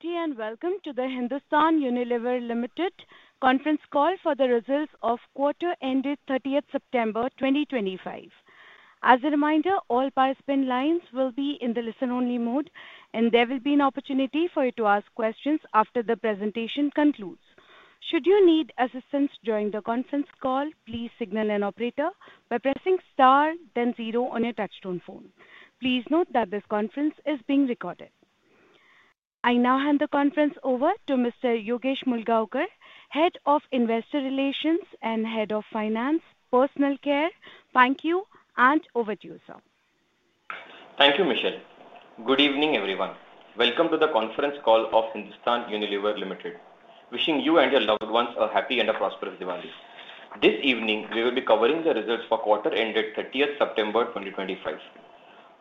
Good day and welcome to the Hindustan Unilever Limited conference call for the results of quarter ended 30th September 2025. As a reminder, all participant lines will be in the listen-only mode, and there will be an opportunity for you to ask questions after the presentation concludes. Should you need assistance during the conference call, please signal an operator by pressing star, then zero on your touchtone phone. Please note that this conference is being recorded. I now hand the conference over to Mr. Yogesh Mulgaonkar, Head of Investor Relations and Head of Finance, Personal Care. Thank you and over to you, sir. Thank you, Michelle. Good evening, everyone. Welcome to the conference call of Hindustan Unilever Limited. Wishing you and your loved ones a happy and a prosperous Diwali. This evening, we will be covering the results for quarter ended 30th September 2025.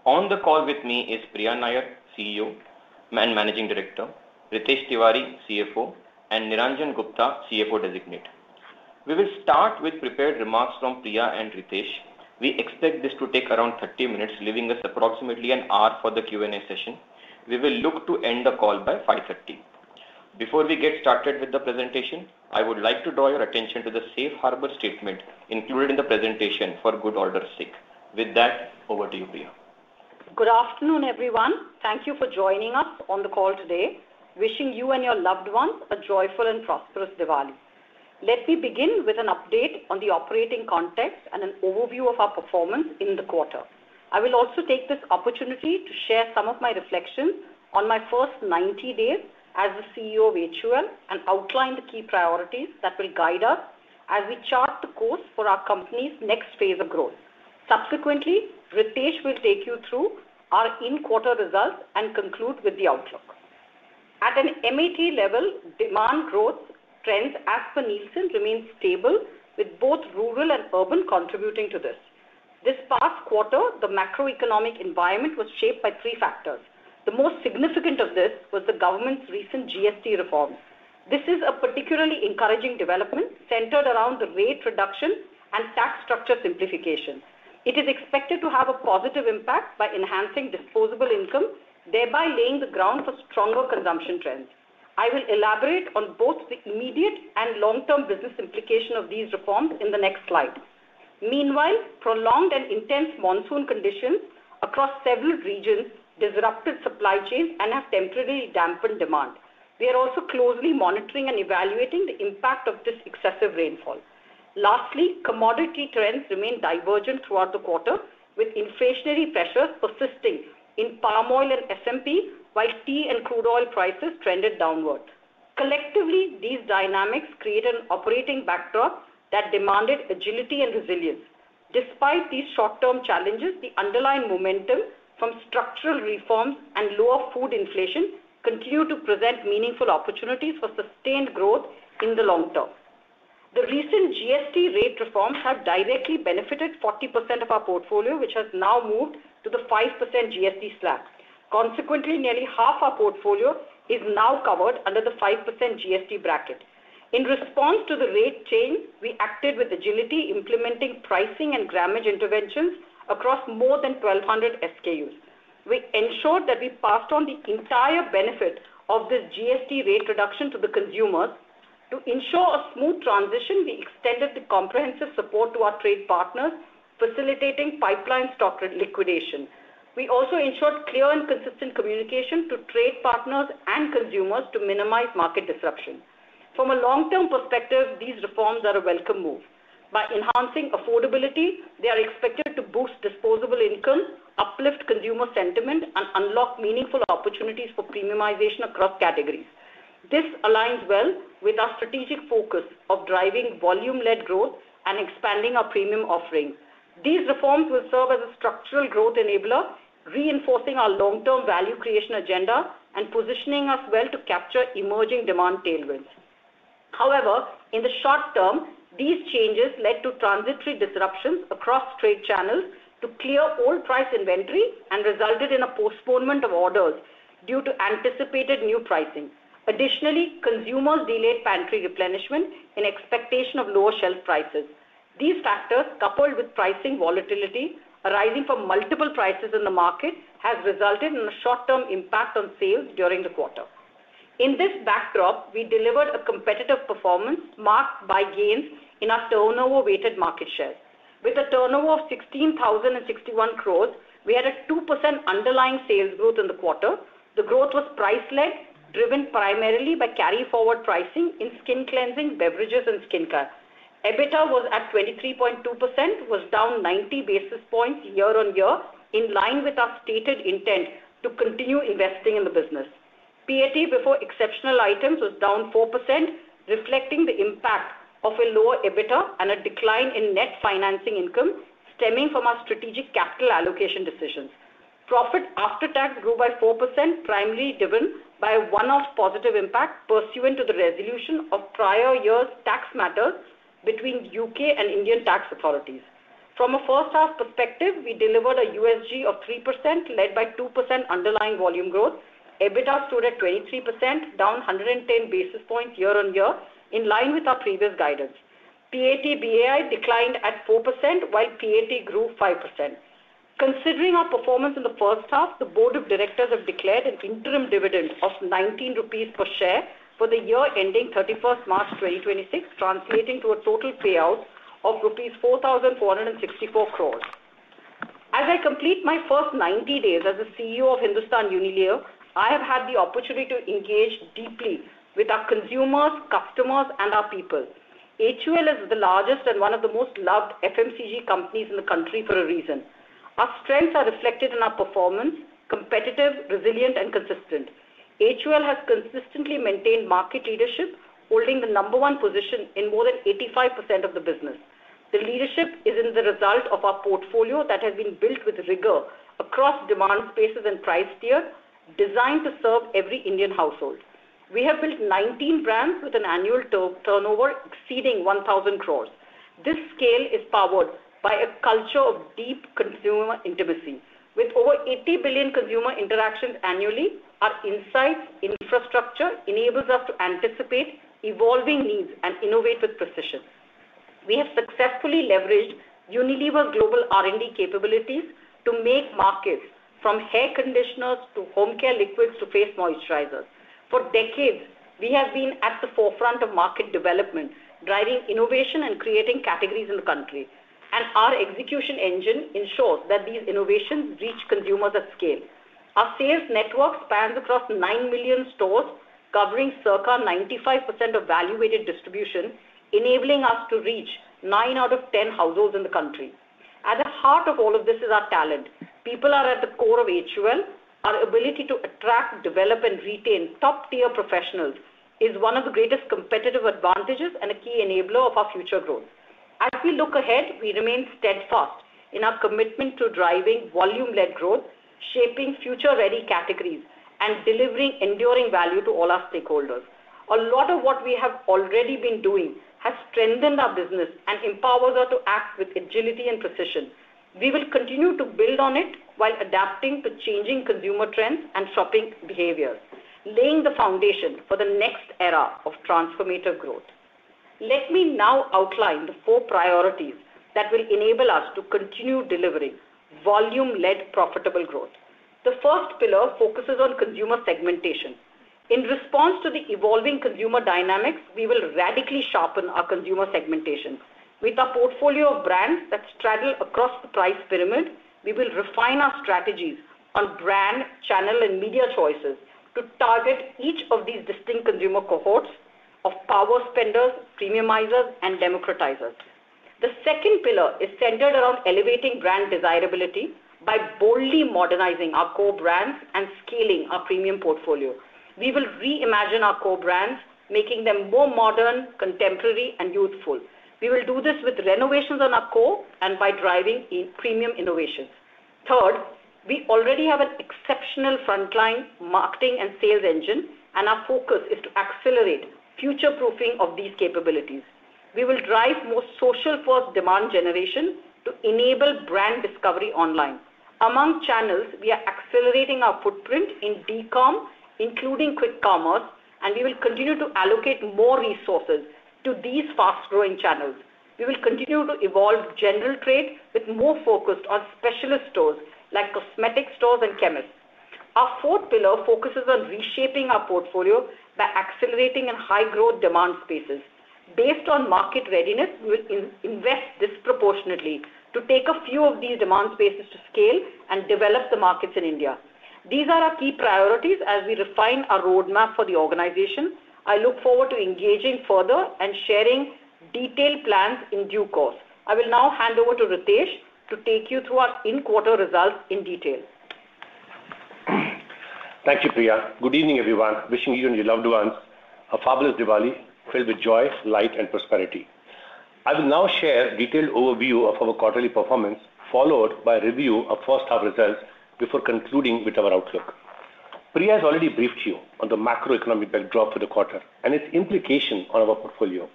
On the call with me is Priya Nair, CEO and Managing Director; Ritesh Tiwari, CFO, and Niranjan Gupta, CFO designate. We will start with prepared remarks from Priya and Ritesh. We expect this to take around 30 minutes, leaving us approximately an hour for the Q&A session. We will look to end the call by 5:30 P.M. Before we get started with the presentation, I would like to draw your attention to the safe harbor statement included in the presentation for good order's sake. With that, over to you, Priya. Good afternoon, everyone. Thank you for joining us on the call today. Wishing you and your loved ones a joyful and prosperous Diwali. Let me begin with an update on the operating context and an overview of our performance in the quarter. I will also take this opportunity to share some of my reflections on my first 90 days as the CEO of HUL and outline the key priorities that will guide us as we chart the course for our company's next phase of growth. Subsequently, Ritesh will take you through our in-quarter results and conclude with the outlook. At an MAT level, demand growth trends, as per Nielsen, remain stable, with both rural and urban contributing to this. This past quarter, the macro-economic environment was shaped by three factors. The most significant of this was the government's recent GST reform. This is a particularly encouraging development centered around the rate reduction and tax structure simplification. It is expected to have a positive impact by enhancing disposable income, thereby laying the ground for stronger consumption trends. I will elaborate on both the immediate and long-term business implication of these reforms in the next slide. Meanwhile, prolonged and intense monsoon conditions across several regions disrupted supply chains and have temporarily dampened demand. We are also closely monitoring and evaluating the impact of this excessive rainfall. Lastly, commodity trends remain divergent throughout the quarter, with inflationary pressures persisting in palm oil and S&P, while tea and crude oil prices trended downwards. Collectively, these dynamics create an operating backdrop that demanded agility and resilience. Despite these short-term challenges, the underlying momentum from structural reforms and lower food inflation continues to present meaningful opportunities for sustained growth in the long term. The recent GST rate reforms have directly benefited 40% of our portfolio, which has now moved to the 5% GST slack. Consequently, nearly half our portfolio is now covered under the 5% GST bracket. In response to the rate change, we acted with agility, implementing pricing and grammage interventions across more than 1,200 SKUs. We ensured that we passed on the entire benefit of this GST rate reduction to the consumers. To ensure a smooth transition, we extended the comprehensive support to our trade partners, facilitating pipeline stock liquidation. We also ensured clear and consistent communication to trade partners and consumers to minimize market disruption. From a long-term perspective, these reforms are a welcome move. By enhancing affordability, they are expected to boost disposable income, uplift consumer sentiment, and unlock meaningful opportunities for premiumization across categories. This aligns well with our strategic focus of driving volume-led growth and expanding our premium offering. These reforms will serve as a structural growth enabler, reinforcing our long-term value creation agenda and positioning us well to capture emerging demand tailwinds. However, in the short term, these changes led to transitory disruptions across trade channels to clear old price inventory and resulted in a postponement of orders due to anticipated new pricing. Additionally, consumers delayed pantry replenishment in expectation of lower shelf prices. These factors, coupled with pricing volatility arising from multiple prices in the market, have resulted in a short-term impact on sales during the quarter. In this backdrop, we delivered a competitive performance marked by gains in our turnover-weighted market shares. With a turnover of 16,061 crore, we had a 2% underlying sales growth in the quarter. The growth was price-led, driven primarily by carry-forward pricing in skin cleansing, beverages, and skincare. EBITDA was at 23.2%, down 90 basis points year on year, in line with our stated intent to continue investing in the business. PAT before exceptional items was down 4%, reflecting the impact of a lower EBITDA and a decline in net financing income stemming from our strategic capital allocation decisions. Profit after tax grew by 4%, primarily driven by a one-off positive impact pursuant to the resolution of prior year's tax matters between U.K. and Indian tax authorities. From a first-half perspective, we delivered a USG of 3%, led by 2% underlying volume growth. EBITDA stood at 23%, down 110 basis points year on year, in line with our previous guidance. PAT BAI declined at 4%, while PAT grew 5%. Considering our performance in the first half, the Board of Directors has declared an interim dividend of 19 rupees per share for the year ending 31st March 2026, translating to a total payout of INR 4,464 crore. As I complete my first 90 days as the CEO of Hindustan Unilever, I have had the opportunity to engage deeply with our consumers, customers, and our people. HUL is the largest and one of the most loved FMCG companies in the country for a reason. Our strengths are reflected in our performance: competitive, resilient, and consistent. HUL has consistently maintained market leadership, holding the number one position in more than 85% of the business. The leadership is in the result of our portfolio that has been built with rigor across demand spaces and price tiers, designed to serve every Indian household. We have built 19 brands with an annual turnover exceeding 1,000 crore. This scale is powered by a culture of deep consumer intimacy. With over 80 billion consumer interactions annually, our insights infrastructure enables us to anticipate evolving needs and innovate with precision. We have successfully leveraged Unilever global R&D capabilities to make markets from hair conditioners to home care liquids to face moisturizers. For decades, we have been at the forefront of market development, driving innovation and creating categories in the country. Our execution engine ensures that these innovations reach consumers at scale. Our sales network spans across 9 million stores, covering circa 95% of value-weighted distribution, enabling us to reach 9 out of 10 households in the country. At the heart of all of this is our talent. People are at the core of HUL. Our ability to attract, develop, and retain top-tier professionals is one of the greatest competitive advantages and a key enabler of our future growth. As we look ahead, we remain steadfast in our commitment to driving volume-led growth, shaping future-ready categories, and delivering enduring value to all our stakeholders. A lot of what we have already been doing has strengthened our business and empowers us to act with agility and precision. We will continue to build on it while adapting to changing consumer trends and shopping behaviors, laying the foundation for the next era of transformative growth. Let me now outline the four priorities that will enable us to continue delivering volume-led profitable growth. The first pillar focuses on consumer segmentation. In response to the evolving consumer dynamics, we will radically sharpen our consumer segmentation. With our portfolio of brands that straddle across the price pyramid, we will refine our strategies on brand, channel, and media choices to target each of these distinct consumer cohorts of power spenders, premiumizers, and democratizers. The second pillar is centered around elevating brand desirability by boldly modernizing our core brands and scaling our premium portfolio. We will reimagine our core brands, making them more modern, contemporary, and youthful. We will do this with renovations on our core and by driving premium innovations. Third, we already have an exceptional frontline marketing and sales engine, and our focus is to accelerate future-proofing of these capabilities. We will drive more social-first demand generation to enable brand discovery online. Among channels, we are accelerating our footprint in DCOM, including quick commerce, and we will continue to allocate more resources to these fast-growing channels. We will continue to evolve general trade with more focus on specialist stores like cosmetic stores and chemists. Our fourth pillar focuses on reshaping our portfolio by accelerating in high-growth demand spaces. Based on market readiness, we will invest disproportionately to take a few of these demand spaces to scale and develop the markets in India. These are our key priorities as we refine our roadmap for the organization. I look forward to engaging further and sharing detailed plans in due course. I will now hand over to Ritesh to take you through our in-quarter results in detail. Thank you, Priya. Good evening, everyone. Wishing you and your loved ones a fabulous Diwali filled with joy, light, and prosperity. I will now share a detailed overview of our quarterly performance, followed by a review of first-half results before concluding with our outlook. Priya has already briefed you on the macro-economic backdrop for the quarter and its implication on our portfolio.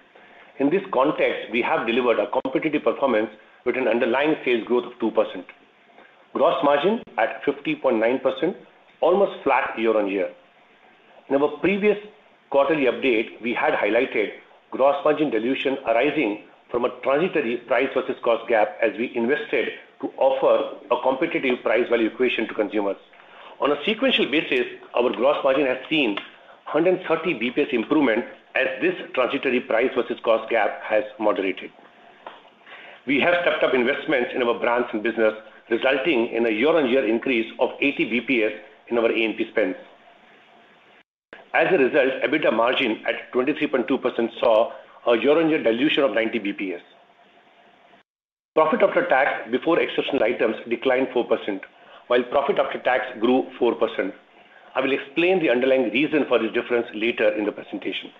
In this context, we have delivered a competitive performance with an underlying sales growth of 2%. Gross margin at 50.9%, almost flat year on year. In our previous quarterly update, we had highlighted gross margin dilution arising from a transitory price versus cost gap as we invested to offer a competitive price-value equation to consumers. On a sequential basis, our gross margin has seen 130 bps improvement as this transitory price versus cost gap has moderated. We have stepped up investments in our brands and business, resulting in a year-on-year increase of 80 bps in our A&P spends. As a result, EBITDA margin at 23.2% saw a year-on-year dilution of 90 bps. Profit after tax before exceptional items declined 4%, while profit after tax grew 4%. I will explain the underlying reason for this difference later in the presentation.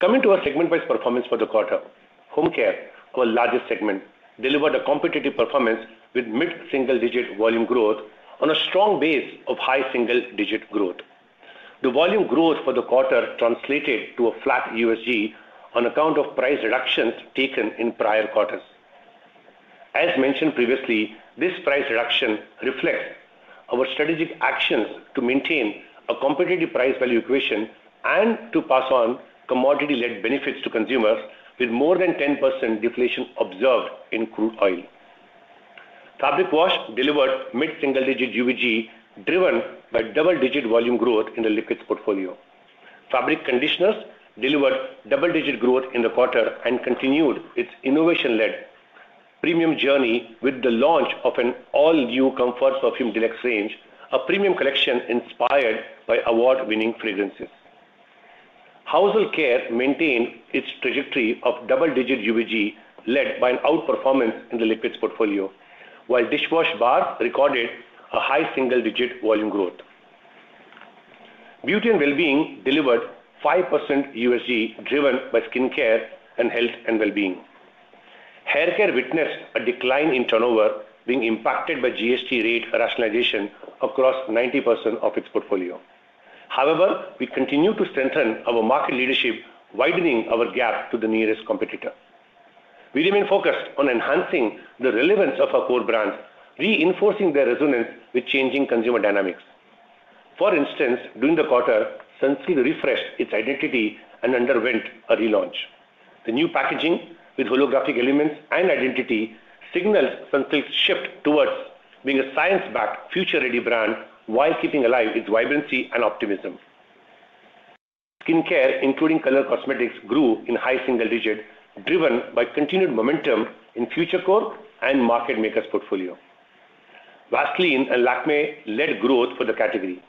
Coming to our segment-based performance for the quarter, home care, our largest segment, delivered a competitive performance with mid-single-digit volume growth on a strong base of high single-digit growth. The volume growth for the quarter translated to a flat USG on account of price reductions taken in prior quarters. As mentioned previously, this price reduction reflects our strategic actions to maintain a competitive price-value equation and to pass on commodity-led benefits to consumers with more than 10% deflation observed in crude oil. Fabric wash delivered mid-single-digit UVG, driven by double-digit volume growth in the liquids portfolio. Fabric conditioners delivered double-digit growth in the quarter and continued its innovation-led premium journey with the launch of an all-new Comfort Perfume Deluxe range, a premium collection inspired by award-winning fragrances. Household care maintained its trajectory of double-digit UVG, led by an outperformance in the liquids portfolio, while dishwash baths recorded a high single-digit volume growth. Beauty and well-being delivered 5% USG, driven by skincare and health and well-being. Hair care witnessed a decline in turnover, being impacted by GST rate rationalization across 90% of its portfolio. However, we continue to strengthen our market leadership, widening our gap to the nearest competitor. We remain focused on enhancing the relevance of our core brands, reinforcing their resonance with changing consumer dynamics. For instance, during the quarter, Sunsilk refreshed its identity and underwent a relaunch. The new packaging with holographic elements and identity signals Sunsilk's shift towards being a science-backed, future-ready brand while keeping alive its vibrancy and optimism. Skincare, including color cosmetics, grew in high single digit, driven by continued momentum in Future Core and Market Makers portfolio. Vaseline and Lakme led growth for the category.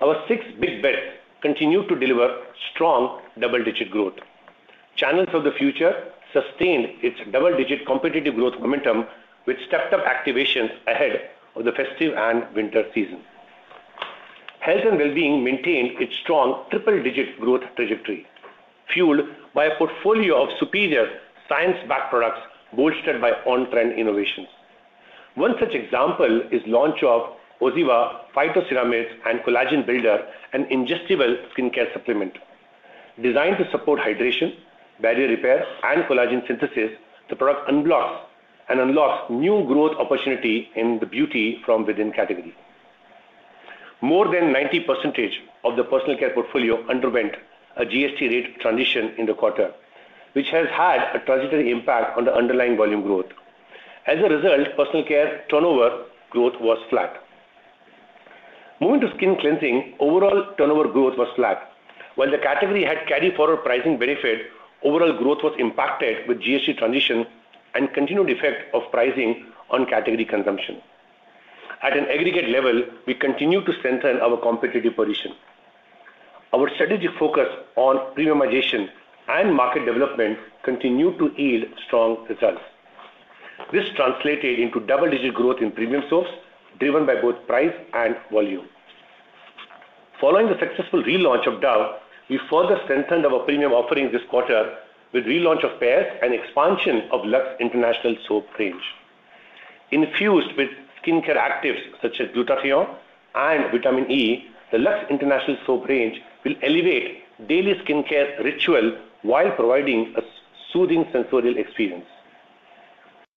Our six big bets continue to deliver strong double-digit growth. Channels of the future sustained its double-digit competitive growth momentum with stepped-up activations ahead of the festive and winter season. Health and well-being maintained its strong triple-digit growth trajectory, fueled by a portfolio of superior science-backed products bolstered by on-trend innovations. One such example is the launch of OZiva Phyto Ceramides + Collagen Builder, an ingestible skincare supplement. Designed to support hydration, barrier repair, and collagen synthesis, the product unblocks and unlocks new growth opportunity in the beauty from within categories. More than 90% of the personal care portfolio underwent a GST rate transition in the quarter, which has had a transitory impact on the underlying volume growth. As a result, personal care turnover growth was flat. Moving to skin cleansing, overall turnover growth was flat. While the category had carried forward pricing benefits, overall growth was impacted with GST transition and continued effect of pricing on category consumption. At an aggregate level, we continue to strengthen our competitive position. Our strategic focus on premiumization and market development continued to yield strong results. This translated into double-digit growth in premium soaps, driven by both price and volume. Following the successful relaunch of Dove, we further strengthened our premium offerings this quarter with the relaunch of Pears and expansion of Lux International soap range. Infused with skincare actives such as glutathione and vitamin E, the Lux International soap range will elevate daily skincare rituals while providing a soothing sensorial experience.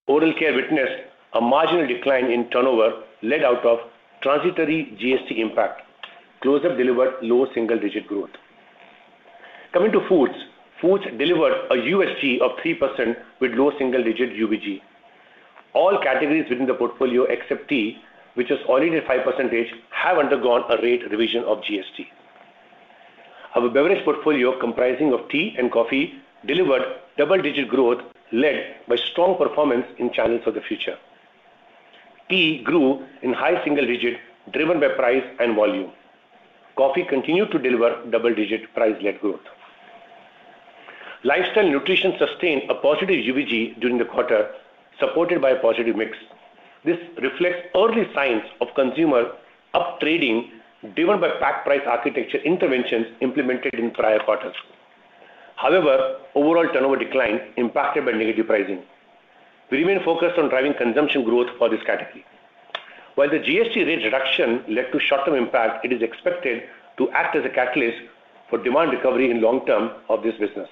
Oral care witnessed a marginal decline in turnover, led out of transitory GST impact. Close Up delivered low single-digit growth. Coming to foods, foods delivered a USG of 3% with low single-digit UVG. All categories within the portfolio, except tea, which was already at 5%, have undergone a rate revision of GST. Our beverage portfolio, comprising of tea and coffee, delivered double-digit growth, led by strong performance in channels of the future. Tea grew in high single-digit, driven by price and volume. Coffee continued to deliver double-digit price-led growth. Lifestyle nutrition sustained a positive UVG during the quarter, supported by a positive mix. This reflects early signs of consumer uptrading, driven by packed price architecture interventions implemented in prior quarters. However, overall turnover declined impacted by negative pricing. We remain focused on driving consumption growth for this category. While the GST rate reduction led to short-term impact, it is expected to act as a catalyst for demand recovery in the long term of this business.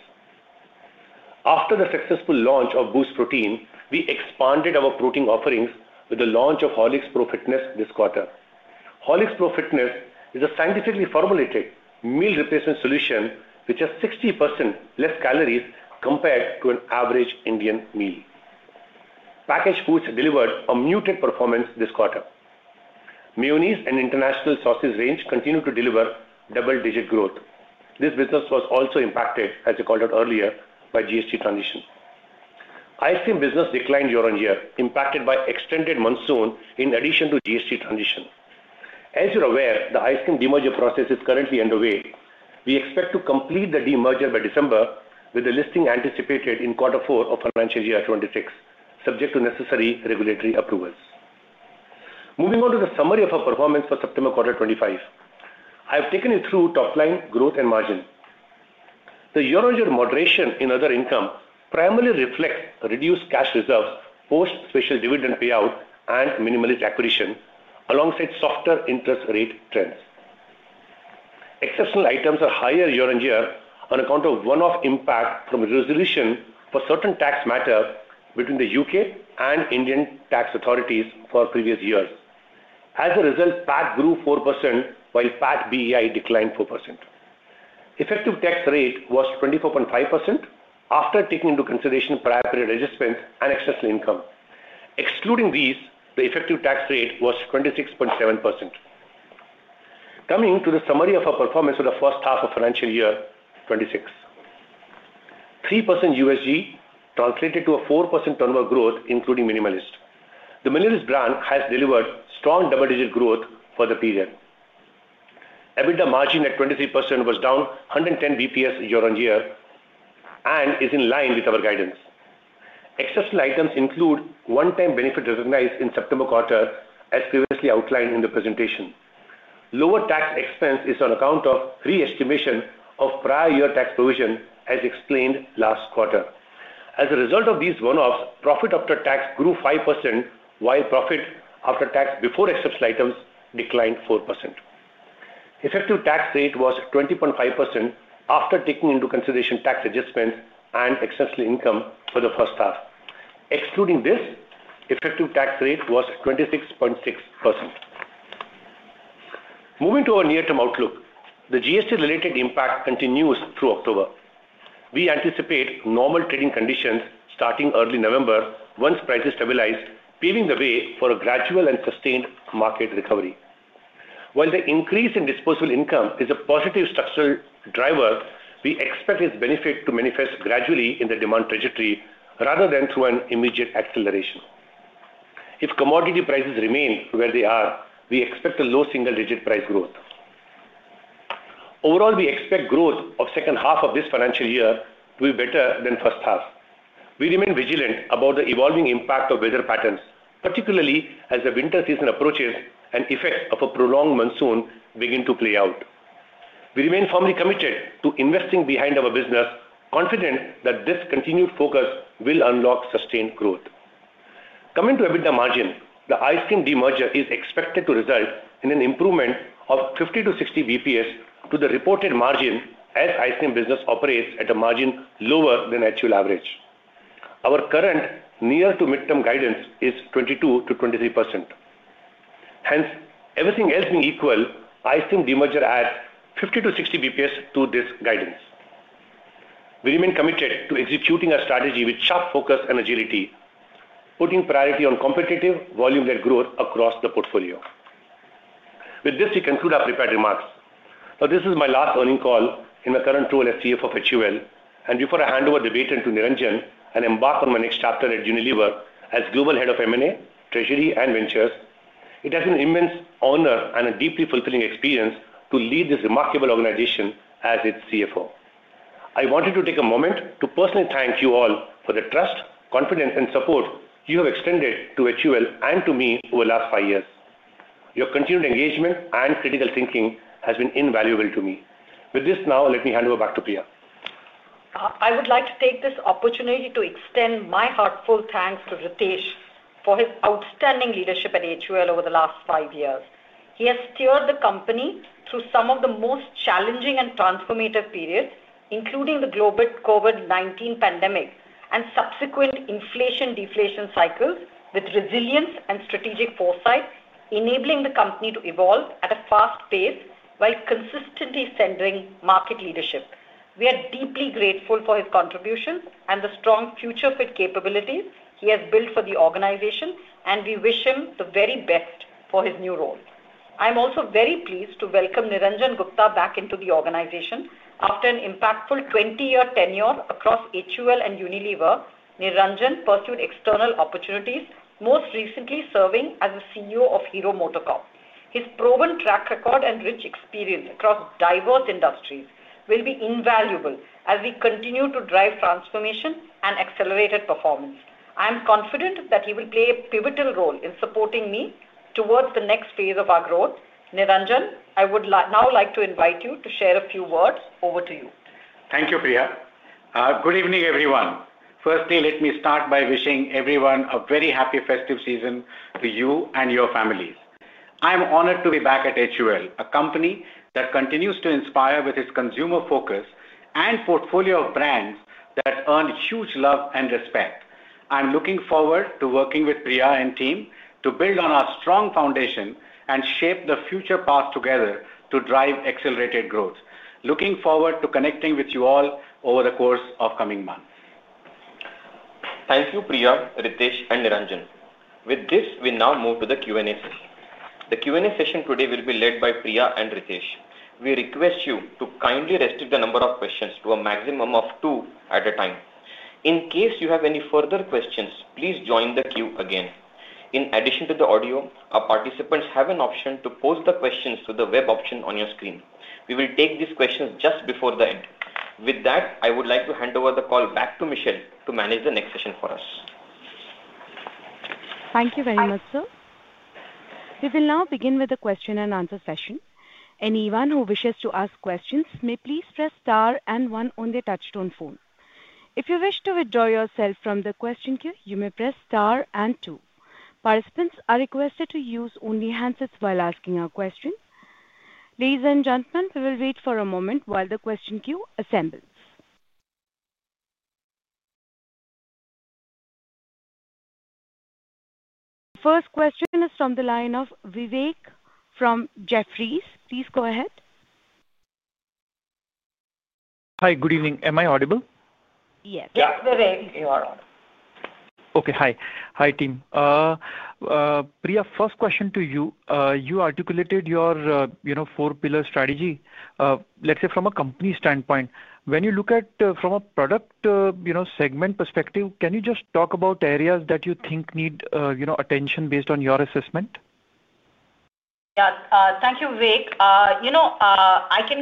After the successful launch of Boost Protein, we expanded our protein offerings with the launch of Horlicks Pro Fitness this quarter. Horlicks Pro Fitness is a scientifically formulated meal replacement solution with 60% less calories compared to an average Indian meal. Packaged foods delivered a muted performance this quarter. Mayonnaise and international sauces range continue to deliver double-digit growth. This business was also impacted, as I called it earlier, by GST transition. Ice cream business declined year on year, impacted by extended monsoon in addition to GST transition. As you're aware, the ice cream demerger process is currently underway. We expect to complete the demerger by December, with the listing anticipated in quarter four of financial year 2026, subject to necessary regulatory approvals. Moving on to the summary of our performance for September quarter 2025, I've taken you through top line growth and margin. The year-on-year moderation in other income primarily reflects reduced cash reserves post special dividend payout and Minimalist acquisition, alongside softer interest rate trends. Exceptional items are higher year on year on account of one-off impact from resolution for certain tax matters between the U.K. and Indian tax authorities for previous years. As a result, PAT grew 4%, while PAT BEI declined 4%. Effective tax rate was 24.5% after taking into consideration prior period adjustments and excess income. Excluding these, the effective tax rate was 26.7%. Coming to the summary of our performance for the first half of financial year 2026, 3% USG translated to a 4% turnover growth, including Minimalist. The Minimalist brand has delivered strong double-digit growth for the period. EBITDA margin at 23% was down 110 bps year on year and is in line with our guidance. Exceptional items include one-time benefit recognized in September quarter, as previously outlined in the presentation. Lower tax expense is on account of re-estimation of prior year tax provision, as explained last quarter. As a result of these one-offs, profit after tax grew 5%, while profit after tax before exceptional items declined 4%. Effective tax rate was 20.5% after taking into consideration tax adjustments and exceptional income for the first half. Excluding this, effective tax rate was 26.6%. Moving to our near-term outlook, the GST-related impact continues through October. We anticipate normal trading conditions starting early November once prices stabilize, paving the way for a gradual and sustained market recovery. While the increase in disposable income is a positive structural driver, we expect its benefit to manifest gradually in the demand trajectory rather than through an immediate acceleration. If commodity prices remain where they are, we expect a low single-digit price growth. Overall, we expect growth of the second half of this financial year to be better than the first half. We remain vigilant about the evolving impact of weather patterns, particularly as the winter season approaches and the effects of a prolonged monsoon begin to play out. We remain firmly committed to investing behind our business, confident that this continued focus will unlock sustained growth. Coming to EBITDA margin, the ice cream demerger is expected to result in an improvement of 50 bps-60 bps to the reported margin as ice cream business operates at a margin lower than the actual average. Our current near-to-mid-term guidance is 22%-23%. Hence, everything else being equal, ice cream demerger at 50 bps-60 bps to this guidance. We remain committed to executing our strategy with sharp focus and agility, putting priority on competitive volume-led growth across the portfolio. With this, we conclude our prepared remarks. Now, this is my last earnings call in my current role as CFO of HUL. Before I hand over the baton to Niranjan and embark on my next chapter at Unilever as Global Head of M&A, Treasury, and Ventures, it has been an immense honor and a deeply fulfilling experience to lead this remarkable organization as its CFO. I wanted to take a moment to personally thank you all for the trust, confidence, and support you have extended to HUL and to me over the last five years. Your continued engagement and critical thinking has been invaluable to me. With this now, let me hand it over back to Priya. I would like to take this opportunity to extend my heartfelt thanks to Ritesh for his outstanding leadership at HUL over the last five years. He has steered the company through some of the most challenging and transformative periods, including the COVID-19 pandemic and subsequent inflation-deflation cycles, with resilience and strategic foresight, enabling the company to evolve at a fast pace while consistently centering market leadership. We are deeply grateful for his contributions and the strong future-fit capabilities he has built for the organization, and we wish him the very best for his new role. I'm also very pleased to welcome Niranjan Gupta back into the organization. After an impactful 20-year tenure across HUL and Unilever, Niranjan pursued external opportunities, most recently serving as the CEO of Hero MotoCorp. His proven track record and rich experience across diverse industries will be invaluable as we continue to drive transformation and accelerated performance. I am confident that he will play a pivotal role in supporting me towards the next phase of our growth. Niranjan, I would now like to invite you to share a few words. Over to you. Thank you, Priya. Good evening, everyone. Firstly, let me start by wishing everyone a very happy festive season to you and your families. I'm honored to be back at HUL, a company that continues to inspire with its consumer focus and portfolio of brands that earn huge love and respect. I'm looking forward to working with Priya and team to build on our strong foundation and shape the future path together to drive accelerated growth. Looking forward to connecting with you all over the course of the coming months. Thank you, Priya, Ritesh, and Niranjan. With this, we now move to the Q&A session. The Q&A session today will be led by Priya and Ritesh. We request you to kindly restrict the number of questions to a maximum of two at a time. In case you have any further questions, please join the queue again. In addition to the audio, our participants have an option to post the questions to the web option on your screen. We will take these questions just before the end. With that, I would like to hand over the call back to Michelle to manage the next session for us. Thank you very much, sir. We will now begin with the question and answer session. Anyone who wishes to ask questions may please press star and one on their touchstone phone. If you wish to withdraw yourself from the question queue, you may press star and two. Participants are requested to use only handsets while asking our questions. Ladies and gentlemen, we will wait for a moment while the question queue assembles. First question is from the line of Vivek from Jefferies. Please go ahead. Hi, good evening. Am I audible? Yes, Vivek, you are on. Okay, hi. Hi, team. Priya, first question to you. You articulated your four-pillar strategy. Let's say from a company standpoint, when you look at from a product segment perspective, can you just talk about areas that you think need attention based on your assessment? Thank you, Vivek. I'll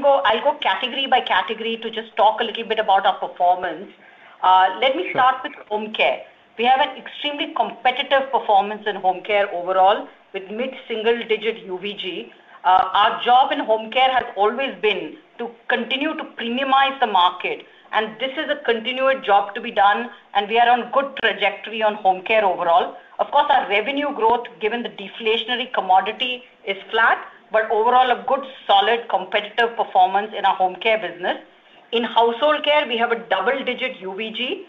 go category by category to just talk a little bit about our performance. Let me start with home care. We have an extremely competitive performance in home care overall with mid-single-digit UVG. Our job in home care has always been to continue to premiumize the market, and this is a continued job to be done, and we are on a good trajectory on home care overall. Of course, our revenue growth, given the deflationary commodity, is flat, but overall a good, solid, competitive performance in our home care business. In household care, we have a double-digit UVG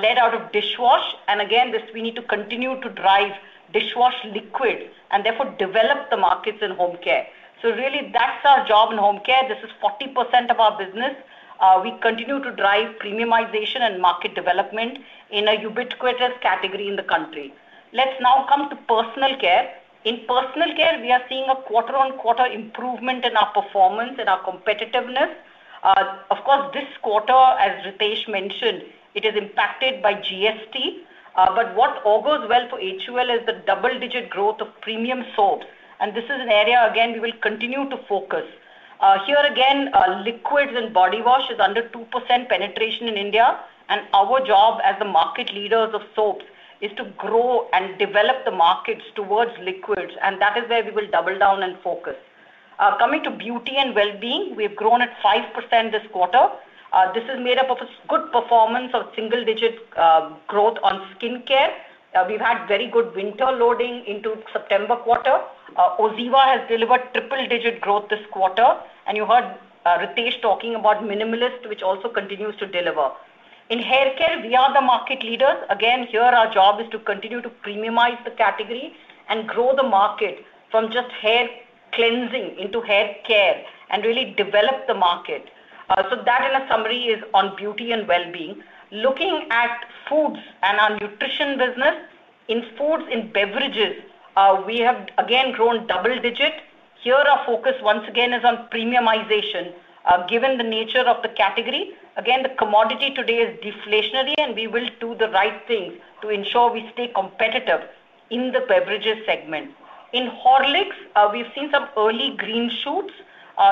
led out of dishwash, and again, we need to continue to drive dishwash liquids and therefore develop the markets in home care. That's our job in home care. This is 40% of our business. We continue to drive premiumization and market development in a ubiquitous category in the country. Let's now come to personal care. In personal care, we are seeing a quarter-on-quarter improvement in our performance and our competitiveness. Of course, this quarter, as Ritesh mentioned, it is impacted by GST, but what all goes well for HUL is the double-digit growth of premium soaps, and this is an area, again, we will continue to focus. Here again, liquids and body wash is under 2% penetration in India, and our job as the market leaders of soaps is to grow and develop the markets towards liquids, and that is where we will double down and focus. Coming to beauty and well-being, we have grown at 5% this quarter. This is made up of a good performance of single-digit growth on skincare. We've had very good winter loading into the September quarter. OZiva has delivered triple-digit growth this quarter, and you heard Ritesh talking about Minimalist, which also continues to deliver. In hair care, we are the market leaders. Again, here, our job is to continue to premiumize the category and grow the market from just hair cleansing into hair care and really develop the market. That, in a summary, is on beauty and well-being. Looking at foods and our nutrition business, in foods and beverages, we have again grown double-digit. Here, our focus once again is on premiumization given the nature of the category. Again, the commodity today is deflationary, and we will do the right things to ensure we stay competitive in the beverages segment. In Horlicks, we've seen some early green shoots.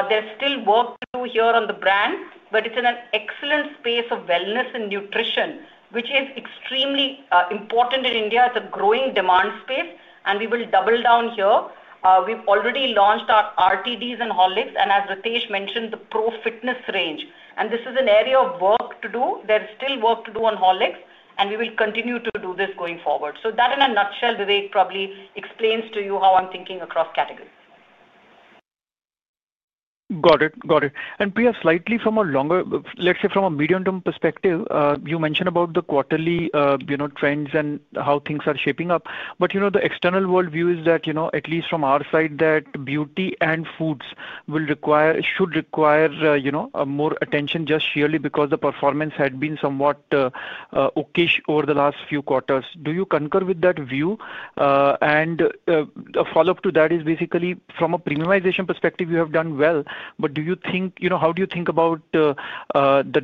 There's still work to do here on the brand, but it's in an excellent space of wellness and nutrition, which is extremely important in India. It's a growing demand space, and we will double down here. We've already launched our RTDs in Horlicks, and as Ritesh mentioned, the Pro Fitness range, and this is an area of work to do. There's still work to do on Horlicks, and we will continue to do this going forward. That, in a nutshell, Vivek, probably explains to you how I'm thinking across categories. Got it. Got it. Priya, slightly from a longer, let's say from a medium-term perspective, you mentioned about the quarterly trends and how things are shaping up. The external world view is that, at least from our side, that beauty and foods should require more attention just purely because the performance had been somewhat okay over the last few quarters. Do you concur with that view? A follow-up to that is basically, from a premiumization perspective, you have done well. Do you think, how do you think about the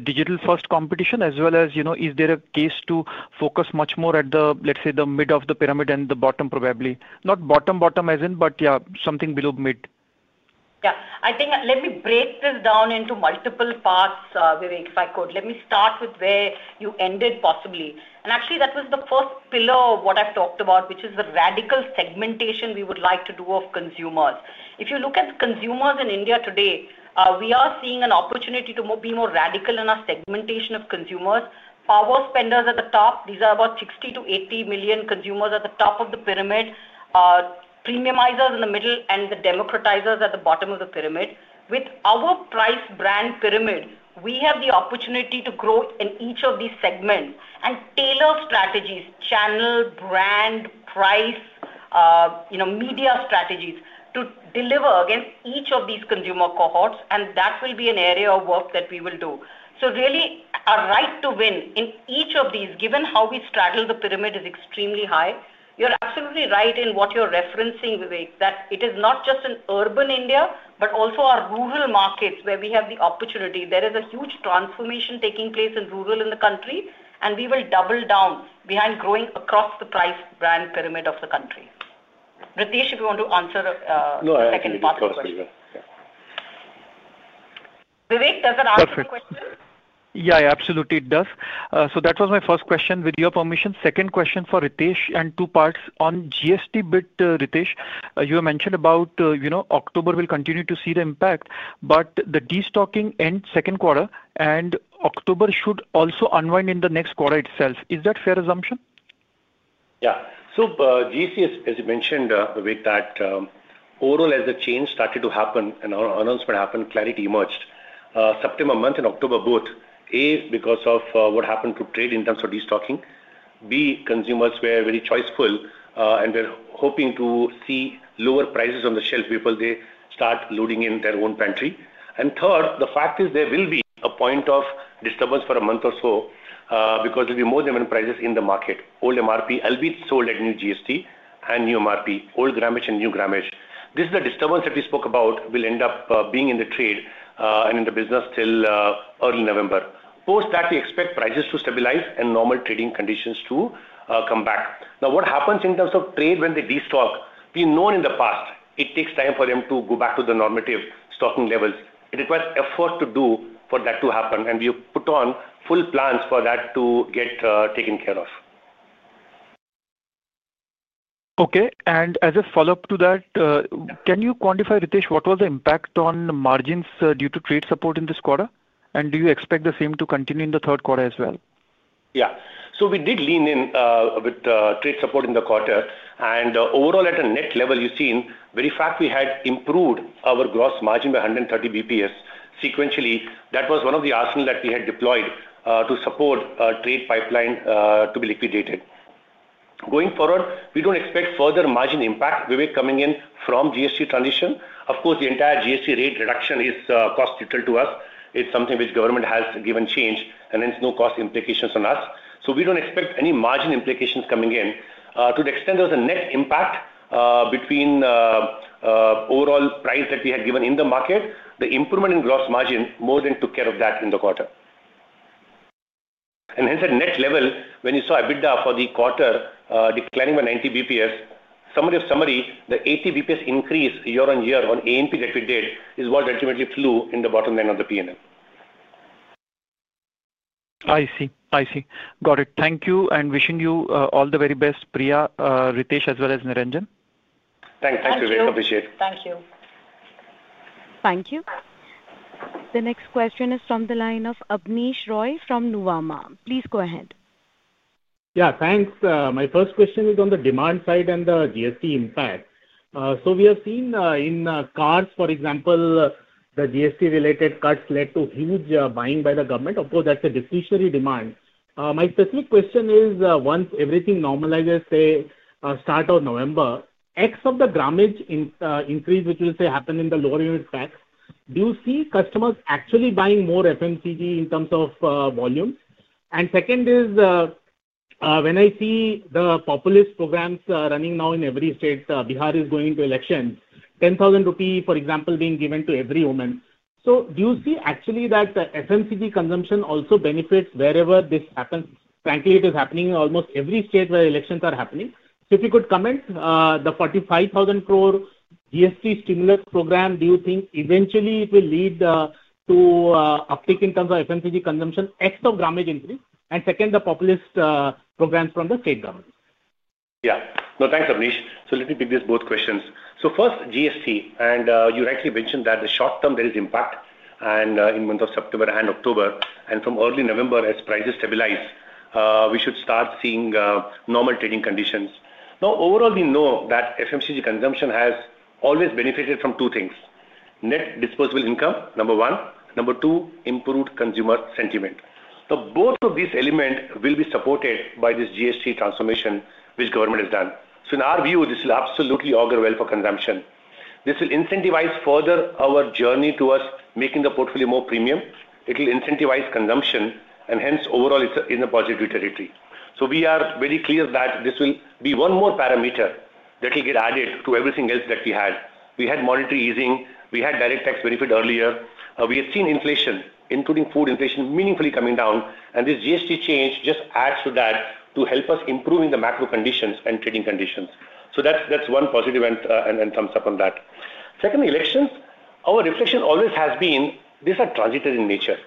digital-first competition, as well as is there a case to focus much more at the, let's say, the mid of the pyramid and the bottom probably? Not bottom, bottom as in, but yeah, something below mid. Yeah, I think let me break this down into multiple parts, Vivek, if I could. Let me start with where you ended possibly. Actually, that was the first pillar of what I've talked about, which is the radical segmentation we would like to do of consumers. If you look at the consumers in India today, we are seeing an opportunity to be more radical in our segmentation of consumers. Our spenders at the top, these are about 60-80 million consumers at the top of the pyramid, premiumizers in the middle, and the democratizers at the bottom of the pyramid. With our price brand pyramid, we have the opportunity to grow in each of these segments and tailor strategies, channel, brand, price, media strategies to deliver against each of these consumer cohorts. That will be an area of work that we will do. Really, our right to win in each of these, given how we straddle the pyramid, is extremely high. You're absolutely right in what you're referencing, Vivek, that it is not just in urban India, but also our rural markets where we have the opportunity. There is a huge transformation taking place in rural in the country, and we will double down behind growing across the price brand pyramid of the country. Ritesh, if you want to answer the second part of your question. Vivek, does that answer the question? Yeah, yeah, absolutely, it does. That was my first question. With your permission, second question for Ritesh and two parts. On GST bit, Ritesh, you mentioned about October will continue to see the impact, but the destocking ends second quarter, and October should also unwind in the next quarter itself. Is that a fair assumption? Yeah. GST, as you mentioned, Vivek, that overall as the change started to happen and our announcement happened, clarity emerged. September month and October both, A, because of what happened to trade in terms of destocking. B, consumers were very choiceful and were hoping to see lower prices on the shelf before they start loading in their own pantry. Third, the fact is there will be a point of disturbance for a month or so because there will be more demand prices in the market. Old MRP will be sold at new GST and new MRP, old grammage and new grammage. This is the disturbance that we spoke about, which will end up being in the trade and in the business till early November. Post that, we expect prices to stabilize and normal trading conditions to come back. Now, what happens in terms of trade when they destock? We've known in the past it takes time for them to go back to the normative stocking levels. It requires effort for that to happen, and we have put on full plans for that to get taken care of. Okay. As a follow-up to that, can you quantify, Ritesh, what was the impact on margins due to trade support in this quarter? Do you expect the same to continue in the third quarter as well? Yeah. We did lean in with trade support in the quarter. Overall, at a net level, you've seen very fast we had improved our gross margin by 130 bps sequentially. That was one of the arsenals that we had deployed to support trade pipeline to be liquidated. Going forward, we don't expect further margin impact, Vivek, coming in from GST transition. Of course, the entire GST rate reduction is cost neutral to us. It's something which government has given change, and hence no cost implications on us. We don't expect any margin implications coming in. To the extent there was a net impact between overall price that we had given in the market, the improvement in gross margin more than took care of that in the quarter. Hence, at net level, when you saw EBITDA for the quarter declining by 90 bps, summary of summary, the 80 bps increase year on year on A&P that we did is what ultimately flew in the bottom end of the P&L. I see. Got it. Thank you and wishing you all the very best, Priya, Ritesh, as well as Niranjan. Thanks. Thanks, Vivek. Appreciate it. Thank you. Thank you. The next question is from the line of Abneesh Roy from Nuvama. Please go ahead. Yeah, thanks. My first question is on the demand side and the GST impact. We have seen in cars, for example, the GST-related cuts led to huge buying by the government. Of course, that's a deflationary demand. My specific question is, once everything normalizes, say, start of November, excluding the grammage increase, which we'll say happened in the lower unit specs, do you see customers actually buying more FMCG in terms of volume? Second is, when I see the populist programs running now in every state, Bihar is going into elections, 10,000 rupee, for example, being given to every woman. Do you see actually that FMCG consumption also benefits wherever this happens? Frankly, it is happening in almost every state where elections are happening. If you could comment, the 45,000 crore GST stimulus program, do you think eventually it will lead to uptake in terms of FMCG consumption, excluding grammage increase, and second, the populist programs from the state government? Yeah. No, thanks, Abneesh. Let me pick these both questions. First, GST, and you rightly mentioned that the short term there is impact in the months of September and October. From early November, as prices stabilize, we should start seeing normal trading conditions. Now, overall, we know that FMCG consumption has always benefited from two things: net disposable income, number one, and number two, improved consumer sentiment. Both of these elements will be supported by this GST transformation, which government has done. In our view, this will absolutely augur well for consumption. This will incentivize further our journey towards making the portfolio more premium. It will incentivize consumption, and hence, overall, it's in a positive territory. We are very clear that this will be one more parameter that will get added to everything else that we had. We had monetary easing. We had direct tax benefit earlier. We have seen inflation, including food inflation, meaningfully coming down. This GST change just adds to that to help us improve in the macro-economic conditions and trading conditions. That's one positive and thumbs up on that. Second, elections, our reflection always has been these are transitory in nature,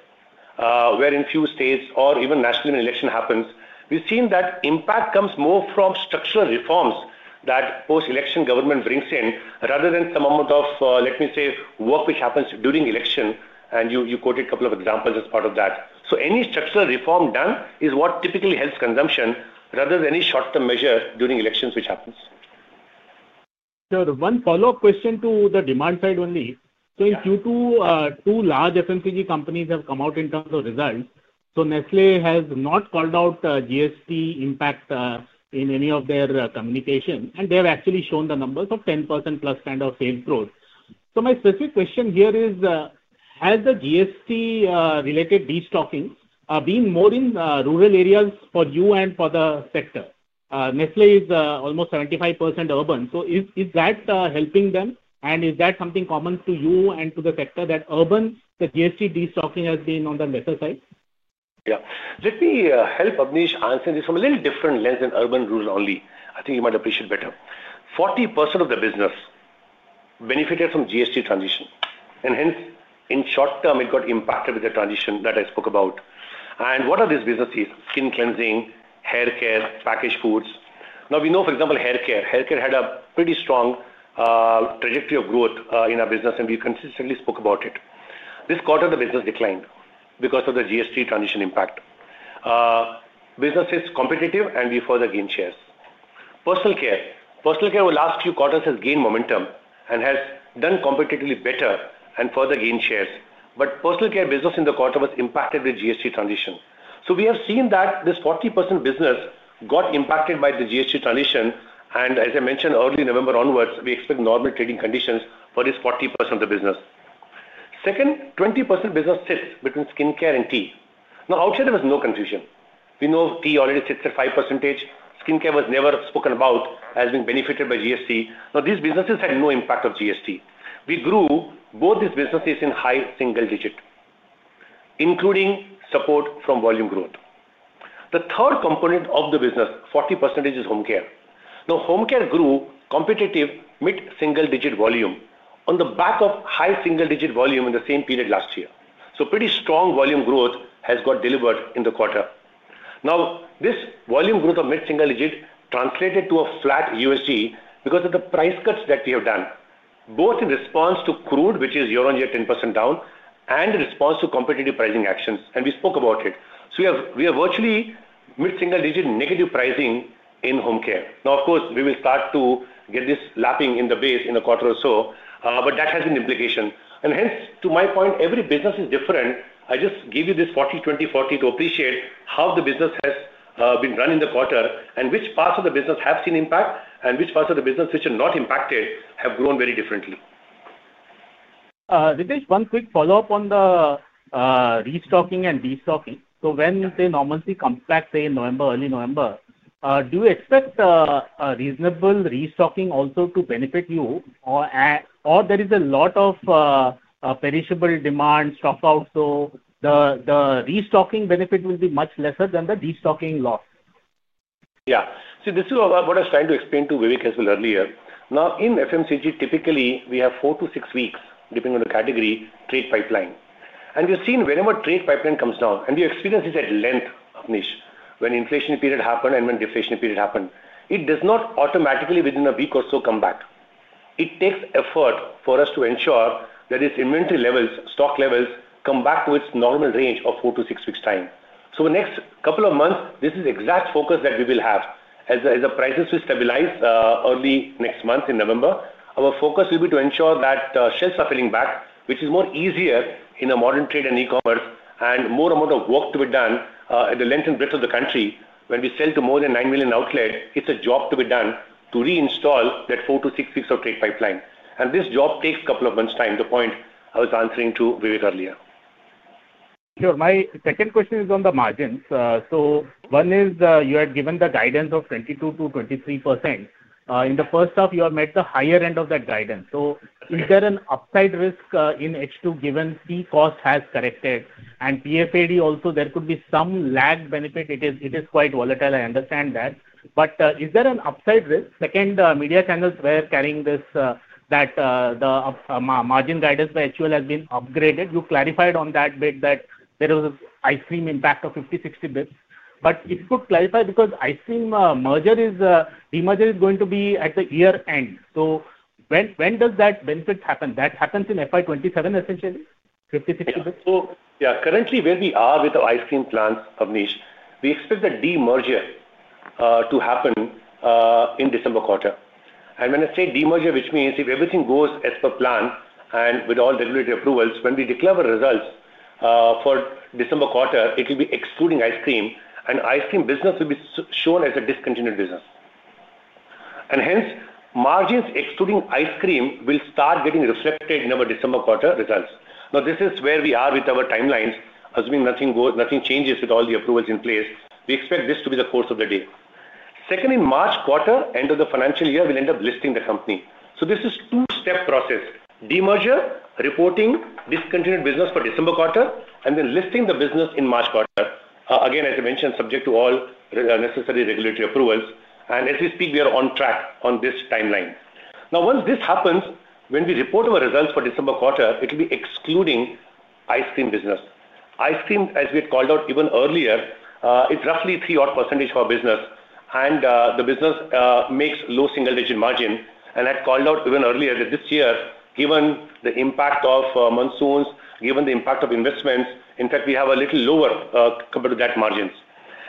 where in a few states or even nationally, when an election happens, we've seen that impact comes more from structural reforms that post-election government brings in rather than some amount of, let me say, work which happens during election. You quoted a couple of examples as part of that. Any structural reform done is what typically helps consumption rather than any short-term measure during elections which happens. Sure. One follow-up question to the demand side only. In Q2, two large FMCG companies have come out in terms of results. Nestlé has not called out GST impact in any of their communications, and they have actually shown the numbers of 10%+ kind of sales growth. My specific question here is, has the GST-related destocking been more in rural areas for you and for the sector? Nestlé is almost 75% urban. Is that helping them? Is that something common to you and to the sector that urban, the GST destocking has been on the lesser side? Yeah. Let me help Abneesh answer this from a little different lens than urban rural only. I think you might appreciate it better. 40% of the business benefited from GST transition, and hence, in short term, it got impacted with the transition that I spoke about. What are these businesses? Skin cleansing, hair care, packaged foods. Now, we know, for example, hair care. Hair care had a pretty strong trajectory of growth in our business, and we consistently spoke about it. This quarter, the business declined because of the GST transition impact. Business is competitive, and we further gained shares. Personal care, personal care over the last few quarters has gained momentum and has done competitively better and further gained shares. The personal care business in the quarter was impacted with GST transition. We have seen that this 40% business got impacted by the GST transition. As I mentioned, early November onwards, we expect normal trading conditions for this 40% of the business. Second, 20% business sits between skincare and tea. Outside of this, no confusion. We know tea already sits at 5%. Skincare was never spoken about as being benefited by GST. These businesses had no impact of GST. We grew both these businesses in high single digit, including support from volume growth. The third component of the business, 40%, is home care. Home care grew competitive mid-single-digit volume on the back of high single-digit volume in the same period last year. Pretty strong volume growth has got delivered in the quarter. This volume growth of mid-single-digit translated to a flat USG because of the price cuts that we have done, both in response to crude oil, which is year on year 10% down, and in response to competitive pricing actions. We have virtually mid-single-digit negative pricing in home care. We will start to get this lapping in the base in a quarter or so, but that has been the implication. To my point, every business is different. I just gave you this 40/20/40 to appreciate how the business has been run in the quarter and which parts of the business have seen impact and which parts of the business which are not impacted have grown very differently. Ritesh, one quick follow-up on the restocking and destocking. When they normally come back, say, in early November, do you expect a reasonable restocking also to benefit you? There is a lot of perishable demand stock out, so the restocking benefit will be much lesser than the destocking loss? Yeah. This is what I was trying to explain to Vivek as well earlier. Now, in FMCG, typically, we have four to six weeks, depending on the category, trade pipeline. You've seen whenever trade pipeline comes down, and we experience this at length, Abneesh, when the inflationary period happened and when the deflationary period happened, it does not automatically within a week or so come back. It takes effort for us to ensure that these inventory levels, stock levels, come back to its normal range of four to six weeks' time. The next couple of months, this is the exact focus that we will have. As the prices will stabilize early next month in November, our focus will be to ensure that shelves are filling back, which is more easier in a modern trade and e-commerce and more amount of work to be done at the length and breadth of the country. When we sell to more than 9 million outlets, it's a job to be done to reinstall that four to six weeks of trade pipeline. This job takes a couple of months' time, the point I was answering to Vivek earlier. Sure. My second question is on the margins. One is you had given the guidance of 22%-23%. In the first half, you have met the higher end of that guidance. Is there an upside risk in H2 given fee cost has corrected and PFAD also there could be some lag benefit? It is quite volatile. I understand that. Is there an upside risk? Media channels were carrying this that the margin guidance by HUL has been upgraded. You clarified on that bit that there was an ice cream impact of 50 bps-60 bps. If you could clarify because ice cream merger, demerger is going to be at the year end. When does that benefit happen? That happens in FY 2027, essentially, 50 bps-60 bps? Yeah. Currently, where we are with the ice cream plants, Abneesh, we expect the demerger to happen in December quarter. When I say demerger, which means if everything goes as per plan and with all regulatory approvals, when we declare our results for December quarter, it will be excluding ice cream, and ice cream business will be shown as a discontinued business. Hence, margins excluding ice cream will start getting reflected in our December quarter results. This is where we are with our timelines, assuming nothing changes with all the approvals in place. We expect this to be the course of the day. In March quarter, end of the financial year, we'll end up listing the company. This is a two-step process: demerger, reporting discontinued business for December quarter, and then listing the business in March quarter. Again, as I mentioned, subject to all necessary regulatory approvals. As we speak, we are on track on this timeline. Once this happens, when we report our results for December quarter, it will be excluding ice cream business. Ice cream, as we had called out even earlier, is roughly a 3% odd of our business, and the business makes low single-digit margin. I had called out even earlier that this year, given the impact of monsoons, given the impact of investments, in fact, we have a little lower compared to that margin.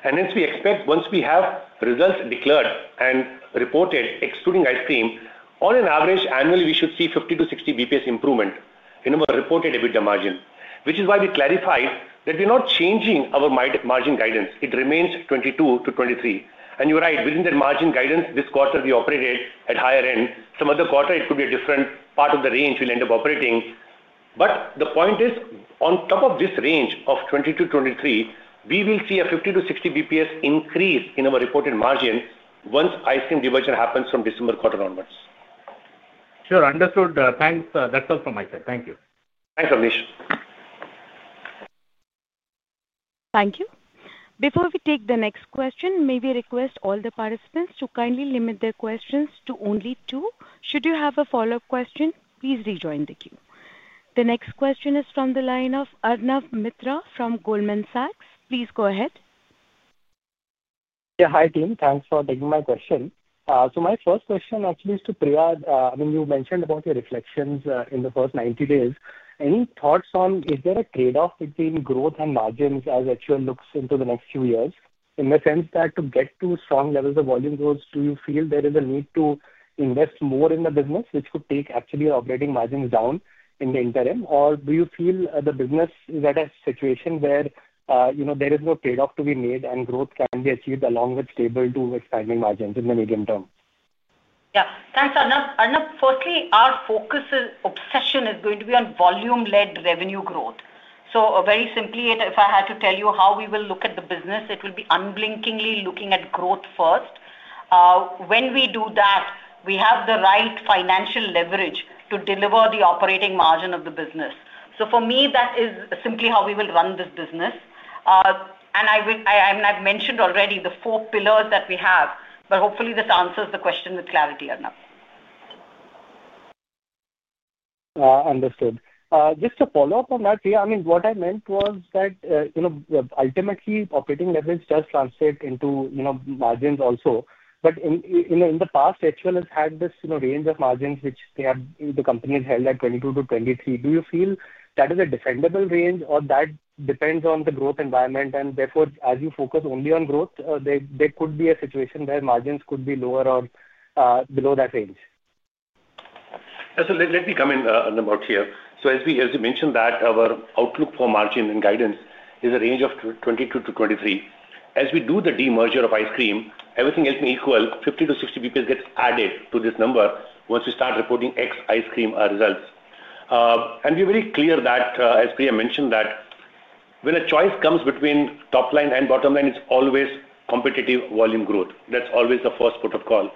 Hence, we expect once we have results declared and reported excluding ice cream, on an average, annually, we should see 50 bps-60 bps improvement in our reported EBITDA margin, which is why we clarified that we're not changing our margin guidance. It remains 22%-23%. You're right, within that margin guidance, this quarter we operated at higher end. Some other quarter, it could be a different part of the range we'll end up operating. The point is, on top of this range of 22%-3%, we will see a 50 bps-60 bps increase in our reported margin once ice cream demerger happens from December quarter onwards. Sure. Understood. Thanks. That's all from my side. Thank you. Thanks, Abneesh. Thank you. Before we take the next question, may we request all the participants to kindly limit their questions to only two? Should you have a follow-up question, please rejoin the queue. The next question is from the line of Arnab Mitra from Goldman Sachs. Please go ahead. Yeah, hi, team. Thanks for taking my question. My first question actually is to Priya. You mentioned about your reflections in the first 90 days. Any thoughts on is there a trade-off between growth and margins as HUL looks into the next few years? In the sense that to get to strong levels of volume growth, do you feel there is a need to invest more in the business, which could take actually your operating margins down in the interim? Or do you feel the business is at a situation where you know there is no trade-off to be made and growth can be achieved along with stable to expanding margins in the medium term? Yeah. Thanks, Arnab. Arnab, firstly, our focus is obsession is going to be on volume-led revenue growth. Very simply, if I had to tell you how we will look at the business, it will be unblinkingly looking at growth first. When we do that, we have the right financial leverage to deliver the operating margin of the business. For me, that is simply how we will run this business. I mean, I've mentioned already the four pillars that we have, but hopefully, this answers the question with clarity, Arnab. Understood. Just to follow up on that, Priya, I mean, what I meant was that, you know, ultimately, operating leverage does translate into, you know, margins also. In the past, HUL has had this, you know, range of margins which they have, the company has held at 22%-23%. Do you feel that is a defendable range or that depends on the growth environment? Therefore, as you focus only on growth, there could be a situation where margins could be lower or below that range? Yeah. Let me come in, Arnab, out here. As you mentioned, our outlook for margin and guidance is a range of 22%-23%. As we do the demerger of ice cream, everything else may equal, 50 bps-60 bps gets added to this number once we start reporting ex-ice cream results. We're very clear that, as Priya mentioned, when a choice comes between top line and bottom line, it's always competitive volume growth. That's always the first protocol.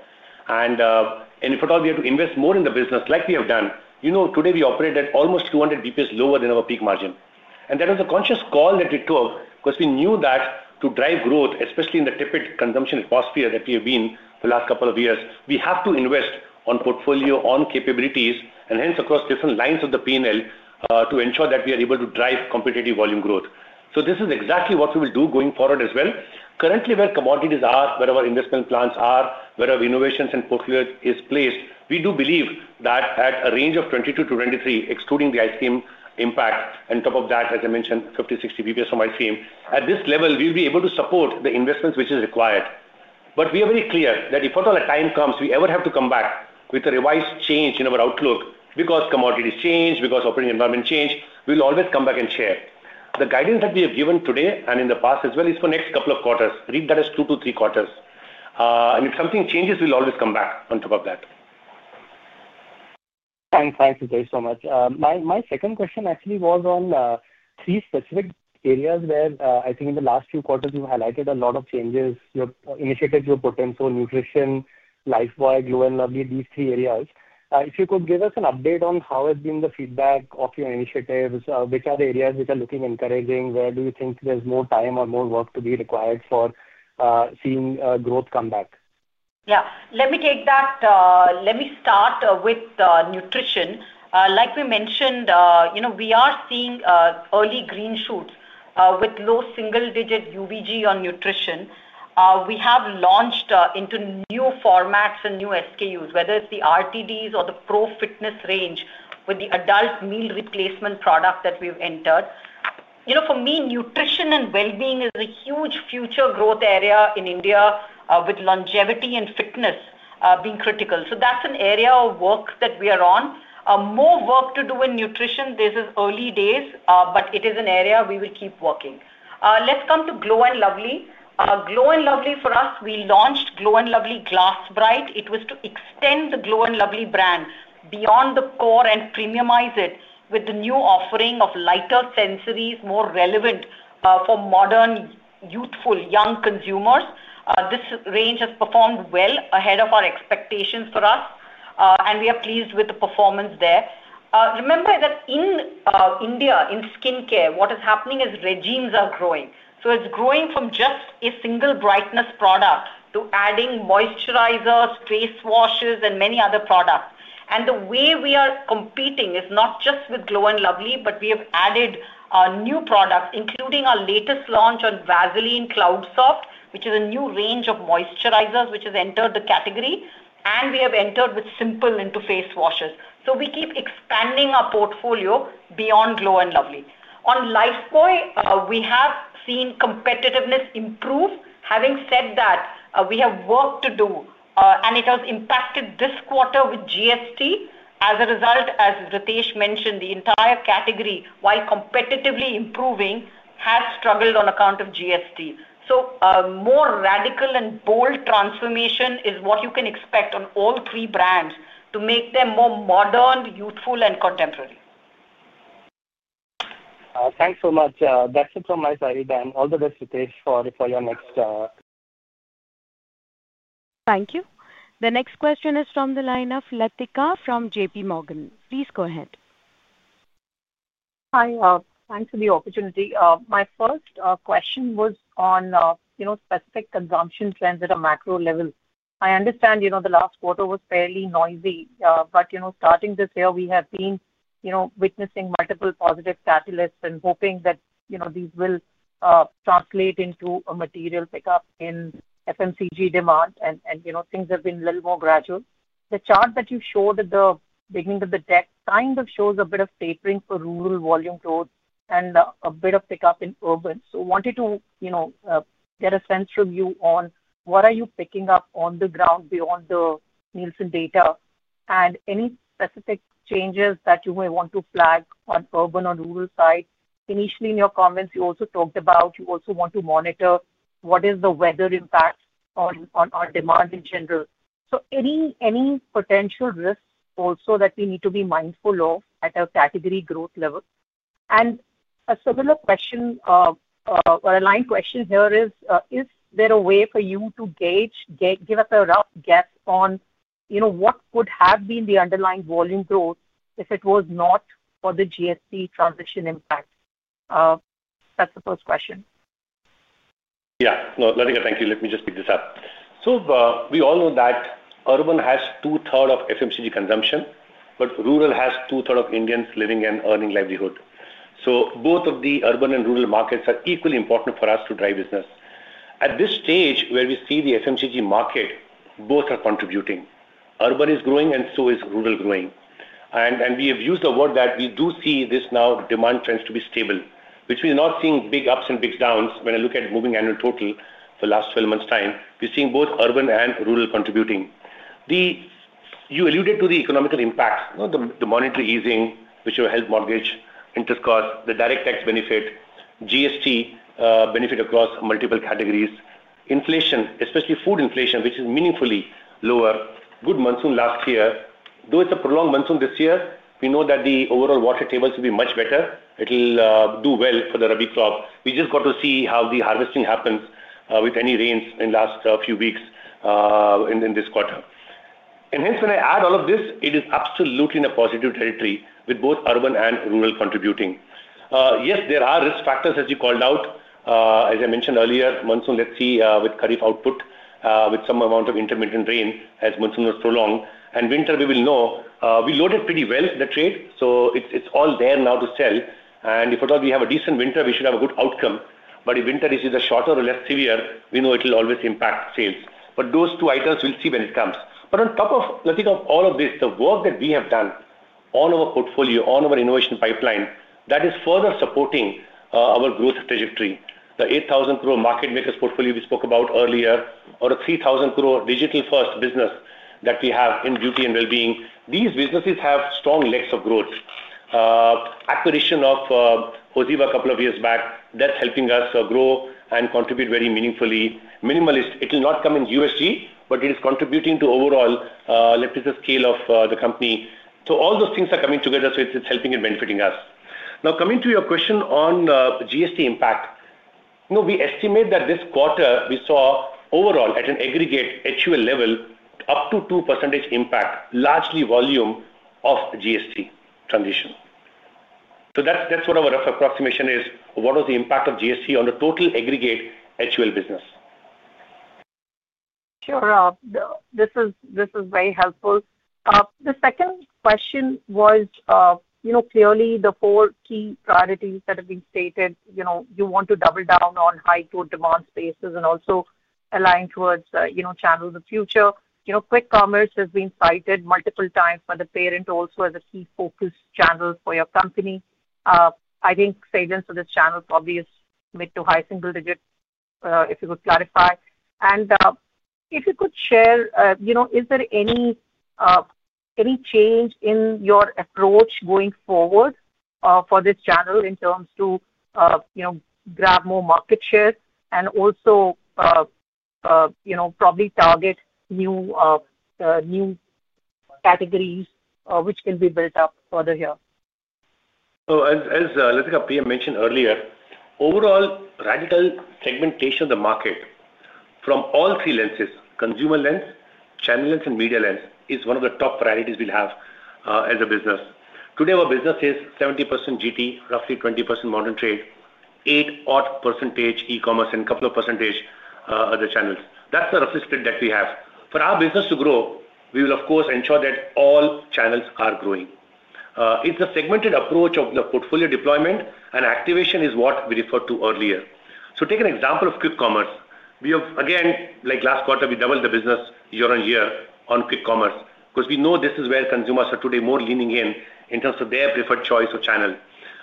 If at all we have to invest more in the business, like we have done, you know today we operate at almost 200 bps lower than our peak margin. That was a conscious call that we took because we knew that to drive growth, especially in the tepid consumption atmosphere that we have been in for the last couple of years, we have to invest on portfolio, on capabilities, and hence across different lines of the P&L to ensure that we are able to drive competitive volume growth. This is exactly what we will do going forward as well. Currently, where commodities are, where our investment plans are, where our innovations and portfolio is placed, we do believe that at a range of 22%-23%, excluding the ice cream impact, and on top of that, as I mentioned, 50 bps-60 bps from ice cream, at this level, we'll be able to support the investments which are required. We are very clear that if at all a time comes we ever have to come back with a revised change in our outlook because commodities change, because operating environment changes, we'll always come back and share. The guidance that we have given today and in the past as well is for the next couple of quarters. Read that as two to three quarters. If something changes, we'll always come back on top of that. Thanks, Ritesh. Thanks so much. My second question actually was on three specific areas where I think in the last few quarters you've highlighted a lot of changes. Your initiatives were put in, so nutrition, Lifebuoy, Glow & Lovely, these three areas. If you could give us an update on how has been the feedback of your initiatives, which are the areas which are looking encouraging? Where do you think there's more time or more work to be required for seeing growth come back? Yeah. Let me take that. Let me start with nutrition. Like we mentioned, you know we are seeing early green shoots with low single-digit UVG on nutrition. We have launched into new formats and new SKUs, whether it's the RTDs or the Pro Fitness range with the adult meal replacement product that we've entered. You know, for me, nutrition and well-being is a huge future growth area in India, with longevity and fitness being critical. That's an area of work that we are on. More work to do in nutrition. This is early days, but it is an area we will keep working. Let's come to Glow & Lovely. Glow & Lovely for us, we launched Glow & Lovely Glass Bright. It was to extend the Glow & Lovely brand beyond the core and premiumize it with the new offering of lighter sensories, more relevant for modern, youthful, young consumers. This range has performed well ahead of our expectations for us, and we are pleased with the performance there. Remember that in India, in skincare, what is happening is regimes are growing. It's growing from just a single brightness product to adding moisturizers, face washes, and many other products. The way we are competing is not just with Glow & Lovely, but we have added new products, including our latest launch on Vaseline Cloud Soft, which is a new range of moisturizers which has entered the category, and we have entered with Simple into face washes. We keep expanding our portfolio beyond Glow & Lovely. On Lifebuoy, we have seen competitiveness improve. Having said that, we have work to do, and it has impacted this quarter with GST. As a result, as Ritesh mentioned, the entire category, while competitively improving, has struggled on account of GST. A more radical and bold transformation is what you can expect on all three brands to make them more modern, youthful, and contemporary. Thanks so much. That's it from my side. All the best, Ritesh, for your next. Thank you. The next question is from the line of Latika from JPMorgan. Please go ahead. Hi, thanks for the opportunity. My first question was on specific consumption trends at a macro level. I understand the last quarter was fairly noisy, but starting this year, we have been witnessing multiple positive catalysts and hoping that these will translate into a material pickup in FMCG demand. Things have been a little more gradual. The chart that you showed at the beginning of the deck shows a bit of tapering for rural volume growth and a bit of pickup in urban. I wanted to get a sense from you on what you are picking up on the ground beyond the Nielsen data and any specific changes that you may want to flag on urban or rural sites. Initially, in your comments, you also talked about wanting to monitor what is the weather impact on our demand in general. Are there any potential risks also that we need to be mindful of at a category growth level? A similar question here is, is there a way for you to gauge, give us a rough guess on what could have been the underlying volume growth if it was not for the GST transition impact? That's the first question. Yeah. No, Latika, thank you. Let me just pick this up. We all know that urban has 2/3 of FMCG consumption, but rural has 2/3 of Indians living and earning livelihood. Both the urban and rural markets are equally important for us to drive business. At this stage where we see the FMCG market, both are contributing. Urban is growing, and so is rural growing. We have used the word that we do see this now demand trends to be stable, which means we're not seeing big ups and big downs. When I look at moving annual total for the last 12 months' time, we're seeing both urban and rural contributing. You alluded to the economical impact, the monetary easing, which will help mortgage interest costs, the direct tax benefit, GST benefit across multiple categories. Inflation, especially food inflation, which is meaningfully lower. Good monsoon last year. Though it's a prolonged monsoon this year, we know that the overall water tables will be much better. It'll do well for the rabi crop. We just got to see how the harvesting happens with any rains in the last few weeks in this quarter. When I add all of this, it is absolutely in a positive territory with both urban and rural contributing. Yes, there are risk factors, as you called out. As I mentioned earlier, monsoon, let's see with kharif output with some amount of intermittent rain as monsoon was prolonged. Winter, we will know we loaded pretty well the trade, so it's all there now to sell. If at all we have a decent winter, we should have a good outcome. If winter is either shorter or less severe, we know it'll always impact sales. Those two items we'll see when it comes. On top of all of this, the work that we have done on our portfolio, on our innovation pipeline that is further supporting our growth trajectory. The 8,000 crore market makers portfolio we spoke about earlier, or a 3,000 crore digital-first business that we have in beauty and well-being, these businesses have strong legs of growth. Acquisition of OZiva a couple of years back, that's helping us grow and contribute very meaningfully. Minimalist, it'll not come in USG, but it is contributing to overall, let's say, the scale of the company. All those things are coming together, so it's helping and benefiting us. Now, coming to your question on GST impact, we estimate that this quarter we saw overall at an aggregate HUL level up to 2% impact, largely volume of GST transition. That's what our approximation is, what was the impact of GST on the total aggregate HUL business? Sure. This is very helpful. The second question was, you know, clearly the four key priorities that have been stated. You want to double down on high growth demand spaces and also align towards channels of the future. Quick commerce has been cited multiple times by the parent also as a key focus channel for your company. I think salience of this channel probably is mid to high single digit, if you could clarify. If you could share, you know, is there any change in your approach going forward for this channel in terms to, you know, grab more market share and also, you know, probably target new categories which can be built up further here? As Latika, Priya mentioned earlier, overall radical segmentation of the market from all three lenses: consumer lens, channel lens, and media lens is one of the top priorities we'll have as a business. Today, our business is 70% GT, roughly 20% modern trade, 8% e-commerce, and a couple of percentage other channels. That's the rough split that we have. For our business to grow, we will, of course, ensure that all channels are growing. It's a segmented approach of the portfolio deployment, and activation is what we referred to earlier. Take an example of quick commerce. Again, like last quarter, we doubled the business year on year on quick commerce because we know this is where consumers are today more leaning in in terms of their preferred choice or channel.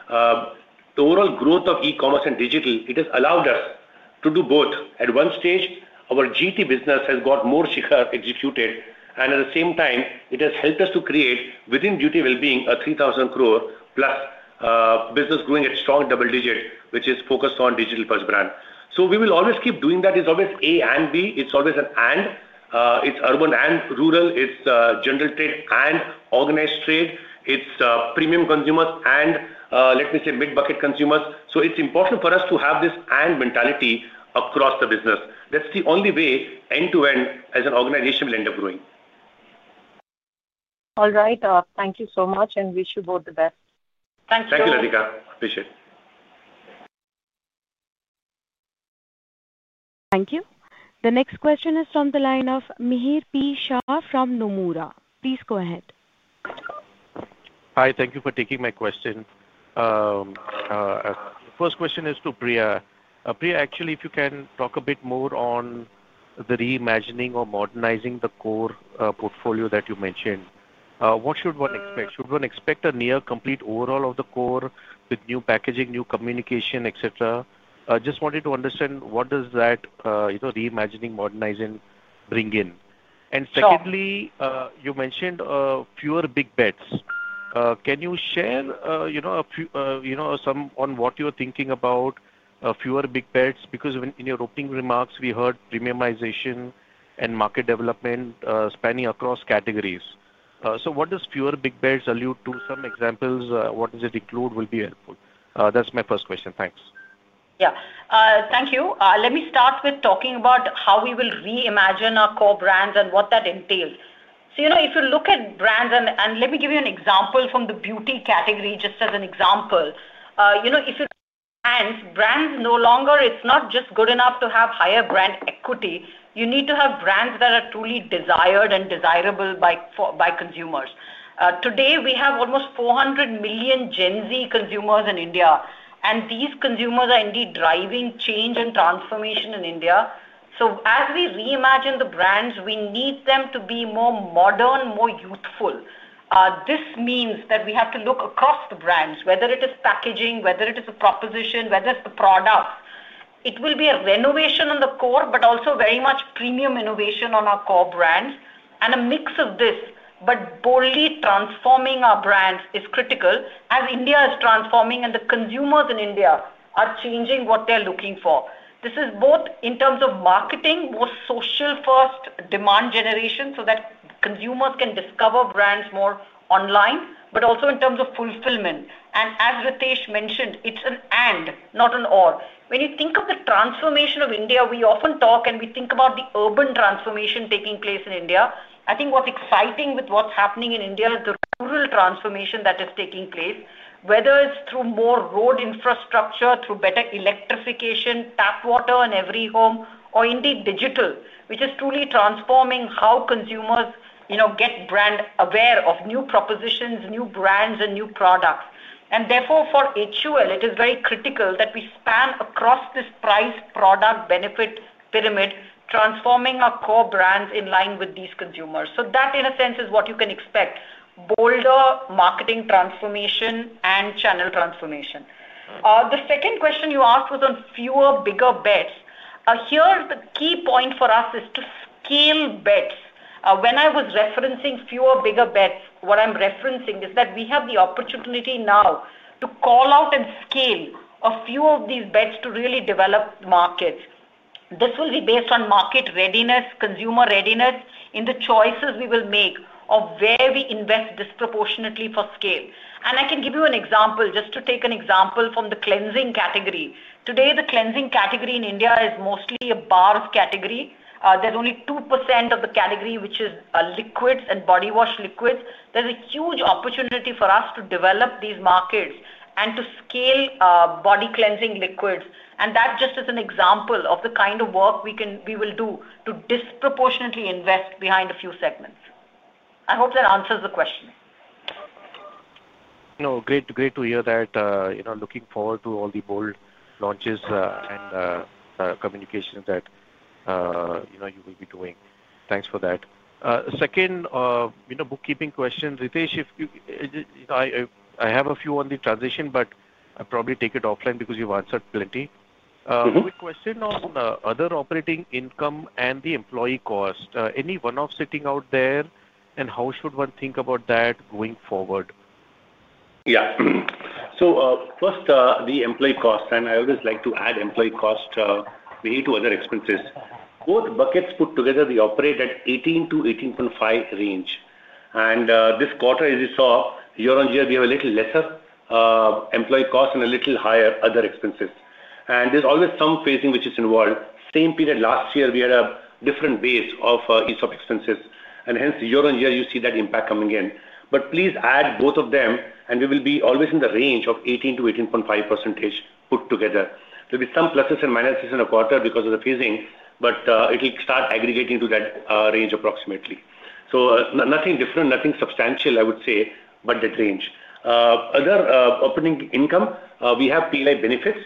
The overall growth of e-commerce and digital has allowed us to do both. At one stage, our GT business has got more share executed, and at the same time, it has helped us to create within duty well-being an 3,000 crore plus business growing at strong double digit, which is focused on digital-first brand. We will always keep doing that. It's always A and B. It's always an and. It's urban and rural. It's general trade and organized trade. It's premium consumers and, let me say, mid-bucket consumers. It's important for us to have this and mentality across the business. That's the only way end to end as an organization will end up growing. All right. Thank you so much, and wish you both the best. Thank you. Thank you, Latika. Appreciate it. Thank you. The next question is from the line of Mihir P. Shah from Nomura. Please go ahead. Hi. Thank you for taking my question. The first question is to Priya. Priya, actually, if you can talk a bit more on the reimagining or modernizing the core portfolio that you mentioned, what should one expect? Should one expect a near complete overhaul of the core with new packaging, new communication, etc.? I just wanted to understand what does that reimagining, modernizing bring in? Secondly, you mentioned fewer big bets. Can you share some on what you're thinking about fewer big bets? Because in your opening remarks, we heard premiumization and market development spanning across categories. What does fewer big bets allude to? Some examples, what does it include, will be helpful. That's my first question. Thanks. Thank you. Let me start with talking about how we will reimagine our core brands and what that entails. If you look at brands, and let me give you an example from the beauty category just as an example. If you look at brands, brands no longer, it's not just good enough to have higher brand equity. You need to have brands that are truly desired and desirable by consumers. Today, we have almost 400 million Gen Z consumers in India, and these consumers are indeed driving change and transformation in India. As we reimagine the brands, we need them to be more modern, more youthful. This means that we have to look across the brands, whether it is packaging, whether it is a proposition, whether it's the products. It will be a renovation on the core, but also very much premium innovation on our core brands. A mix of this, but boldly transforming our brands is critical as India is transforming and the consumers in India are changing what they're looking for. This is both in terms of marketing, more social-first demand generation so that consumers can discover brands more online, but also in terms of fulfillment. As Ritesh mentioned, it's an and, not an or. When you think of the transformation of India, we often talk and we think about the urban transformation taking place in India. What's exciting with what's happening in India is the rural transformation that is taking place, whether it's through more road infrastructure, through better electrification, tap water in every home, or indeed digital, which is truly transforming how consumers get brand aware of new propositions, new brands, and new products. Therefore, for HUL, it is very critical that we span across this price-product-benefit pyramid, transforming our core brands in line with these consumers. That, in a sense, is what you can expect: bolder marketing transformation and channel transformation. The second question you asked was on fewer bigger bets. Here, the key point for us is to scale bets. When I was referencing fewer bigger bets, what I'm referencing is that we have the opportunity now to call out and scale a few of these bets to really develop markets. This will be based on market readiness, consumer readiness in the choices we will make of where we invest disproportionately for scale. I can give you an example just to take an example from the cleansing category. Today, the cleansing category in India is mostly a bars category. There's only 2% of the category, which is liquids and body wash liquids. There's a huge opportunity for us to develop these markets and to scale body cleansing liquids. That just is an example of the kind of work we will do to disproportionately invest behind a few segments. I hope that answers the question. No, great to hear that. Looking forward to all the bold launches and the communications that you will be doing. Thanks for that. Second bookkeeping question, Ritesh, I have a few on the transition, but I'll probably take it offline because you've answered plenty. Quick question on other operating income and the employee cost. Any one-off sitting out there? How should one think about that going forward? Yeah. First, the employee cost, and I always like to add employee cost, we need to add other expenses. Both buckets put together, they operate at 18%-18.5% range. This quarter, as you saw, year on year, we have a little lesser employee cost and a little higher other expenses. There's always some phasing which is involved. Same period last year, we had a different base of each of expenses. Hence, year on year, you see that impact coming in. Please add both of them, and we will be always in the range of 18%-18.5% put together. There'll be some pluses and minuses in a quarter because of the phasing, but it'll start aggregating to that range approximately. Nothing different, nothing substantial, I would say, but that range. Other operating income, we have P&L benefits,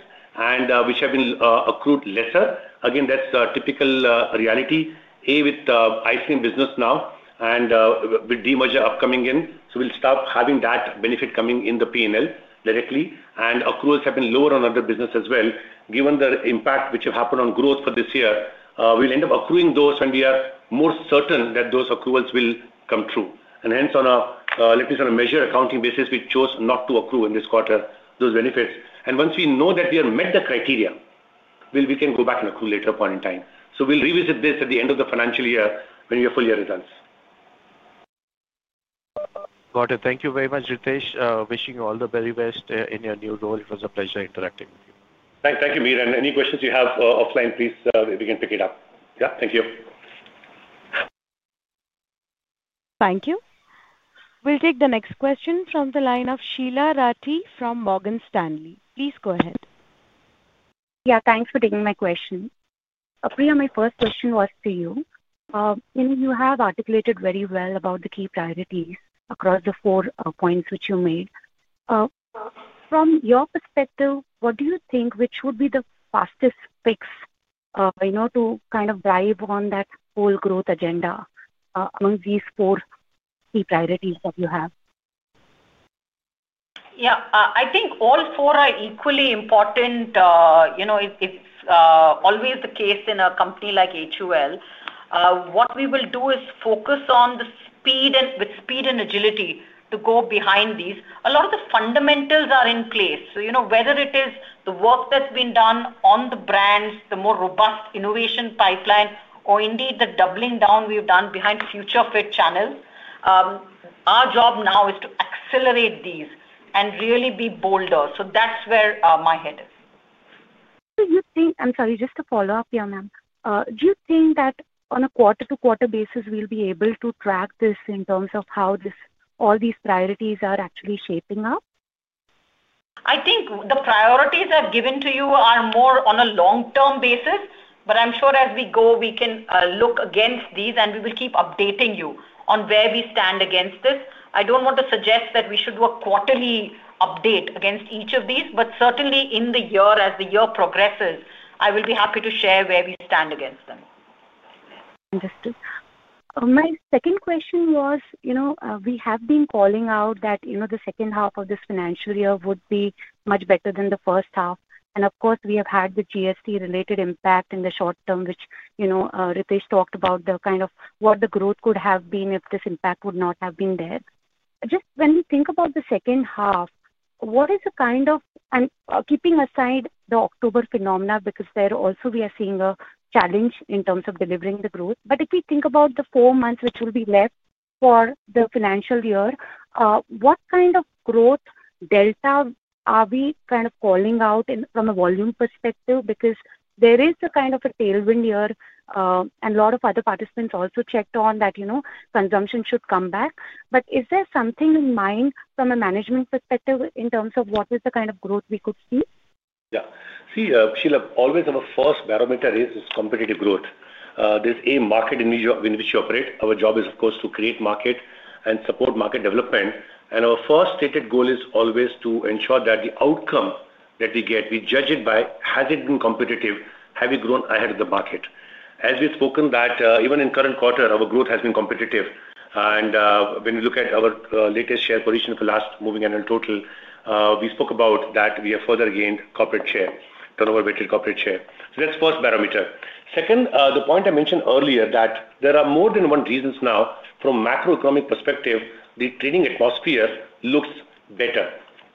which have been accrued lesser. Again, that's a typical reality. With the ice cream business now and with demerger upcoming in, we'll stop having that benefit coming in the P&L directly. Accruals have been lower on other businesses as well. Given the impact which have happened on growth for this year, we'll end up accruing those, and we are more certain that those accruals will come true. On a, let me say, on a measure accounting basis, we chose not to accrue in this quarter those benefits. Once we know that we have met the criteria, we can go back and accrue at a later point in time. We'll revisit this at the end of the financial year when we have full-year results. Got it. Thank you very much, Ritesh. Wishing you all the very best in your new role. It was a pleasure interacting with you. Thank you, Mihir. Any questions you have offline, please, we can pick it up. Thank you. Thank you. We'll take the next question from the line of Sheela Rathi from Morgan Stanley. Please go ahead. Yeah, thanks for taking my question. Priya, my first question was to you. You have articulated very well about the key priorities across the four points which you made. From your perspective, what do you think would be the fastest fix to kind of drive on that whole growth agenda among these four key priorities that you have? Yeah. I think all four are equally important. It's always the case in a company like HUL. What we will do is focus on the speed and with speed and agility to go behind these. A lot of the fundamentals are in place. Whether it is the work that's been done on the brands, the more robust innovation pipeline, or indeed the doubling down we've done behind future-fit channels, our job now is to accelerate these and really be bolder. That's where my head is. I'm sorry, just to follow up here, ma'am, do you think that on a quarter-to-quarter basis, we'll be able to track this in terms of how all these priorities are actually shaping up? I think the priorities I've given to you are more on a long-term basis, but I'm sure as we go, we can look against these, and we will keep updating you on where we stand against this. I don't want to suggest that we should do a quarterly update against each of these, but certainly as the year progresses, I will be happy to share where we stand against them. Understood. My second question was, we have been calling out that the second half of this financial year would be much better than the first half. Of course, we have had the GST-related impact in the short term, which Ritesh talked about, the kind of what the growth could have been if this impact would not have been there. Just when we think about the second half, what is the kind of, and keeping aside the October phenomena, because there also we are seeing a challenge in terms of delivering the growth, but if we think about the four months which will be left for the financial year, what kind of growth delta are we calling out from a volume perspective? There is a kind of a tailwind here, and a lot of other participants also checked on that, you know, consumption should come back. Is there something in mind from a management perspective in terms of what is the kind of growth we could see? Yeah. See, Sheela, always our first barometer is competitive growth. There's a market in which we operate. Our job is, of course, to create market and support market development. Our first stated goal is always to ensure that the outcome that we get, we judge it by has it been company executive. Have you grown ahead of the market? As we've spoken, that even in the current quarter, our growth has been competitive. When you look at our latest share position for the last moving annual total, we spoke about that we have further gained corporate share, turnover weighted corporate share. That's the first barometer. Second, the point I mentioned earlier, that there are more than one reason now. From a macro-economic perspective, the trading atmosphere looks better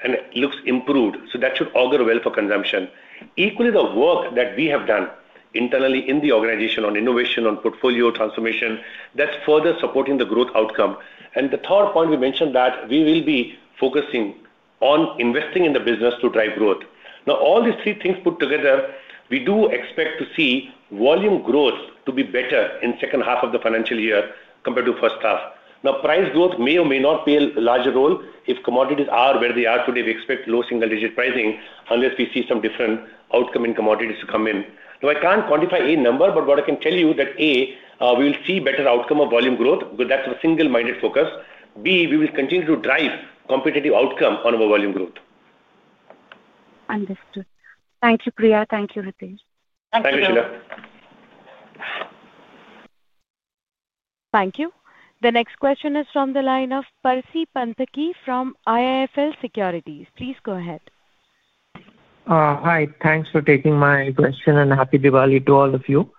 and looks improved. That should augur well for consumption. Equally, the work that we have done internally in the organization on innovation, on portfolio transformation, that's further supporting the growth outcome. The third point we mentioned, that we will be focusing on investing in the business to drive growth. All these three things put together, we do expect to see volume growth to be better in the second half of the financial year compared to the first half. Price growth may or may not play a larger role if commodities are where they are today. We expect low single-digit pricing unless we see some different outcome in commodities to come in. I can't quantify any number, but what I can tell you is that, A, we will see a better outcome of volume growth. That's the single-minded focus. B, we will continue to drive competitive outcome on our volume growth. Understood. Thank you, Priya. Thank you, Ritesh. Thank you, Sheela. Thank you. The next question is from the line of Percy Panthaki from IIFL Securities. Please go ahead. Hi. Thanks for taking my question and happy Diwali to all of you.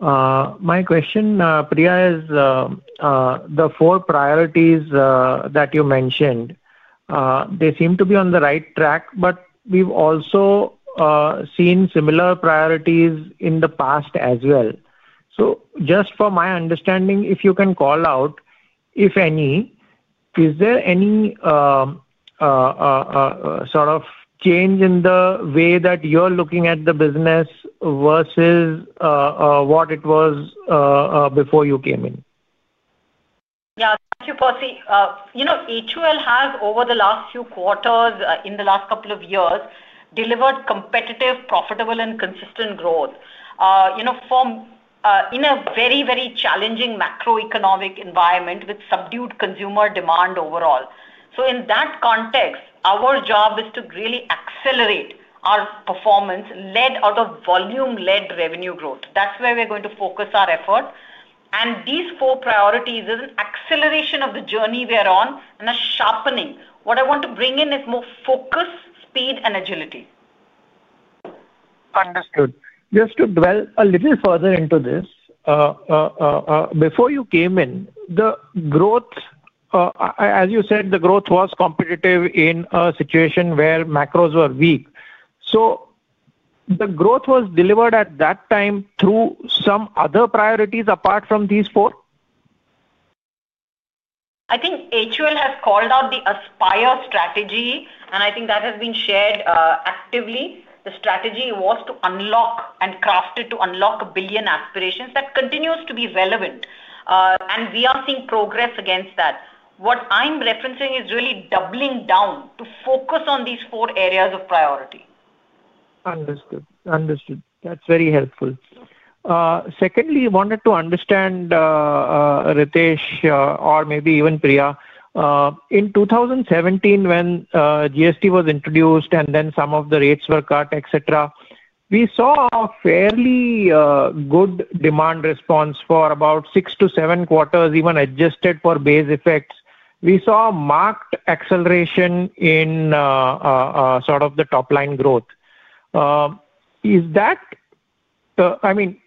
My question, Priya, is the four priorities that you mentioned, they seem to be on the right track, but we've also seen similar priorities in the past as well. Just for my understanding, if you can call out, if any, is there any sort of change in the way that you're looking at the business versus what it was before you came in? Yeah. Thank you, Percy. You know, HUL has, over the last few quarters, in the last couple of years, delivered competitive, profitable, and consistent growth in a very, very challenging macro-economic environment with subdued consumer demand overall. In that context, our job is to really accelerate our performance led out of volume-led revenue growth. That's where we're going to focus our effort. These four priorities are an acceleration of the journey we are on and a sharpening. What I want to bring in is more focus, speed, and agility. Understood. Just to dwell a little further into this, before you came in, the growth, as you said, the growth was competitive in a situation where macros were weak. The growth was delivered at that time through some other priorities apart from these four? I think HUL has called out the Aspire strategy, and I think that has been shared actively. The strategy was to unlock and craft it to unlock a billion aspirations. That continues to be relevant. We are seeing progress against that. What I'm referencing is really doubling down to focus on these four areas of priority. Understood. That's very helpful. Secondly, I wanted to understand, Ritesh or maybe even Priya, in 2017, when GST was introduced and then some of the rates were cut, etc., we saw a fairly good demand response for about six to seven quarters, even adjusted for base effects. We saw a marked acceleration in sort of the top-line growth. Is that, I mean,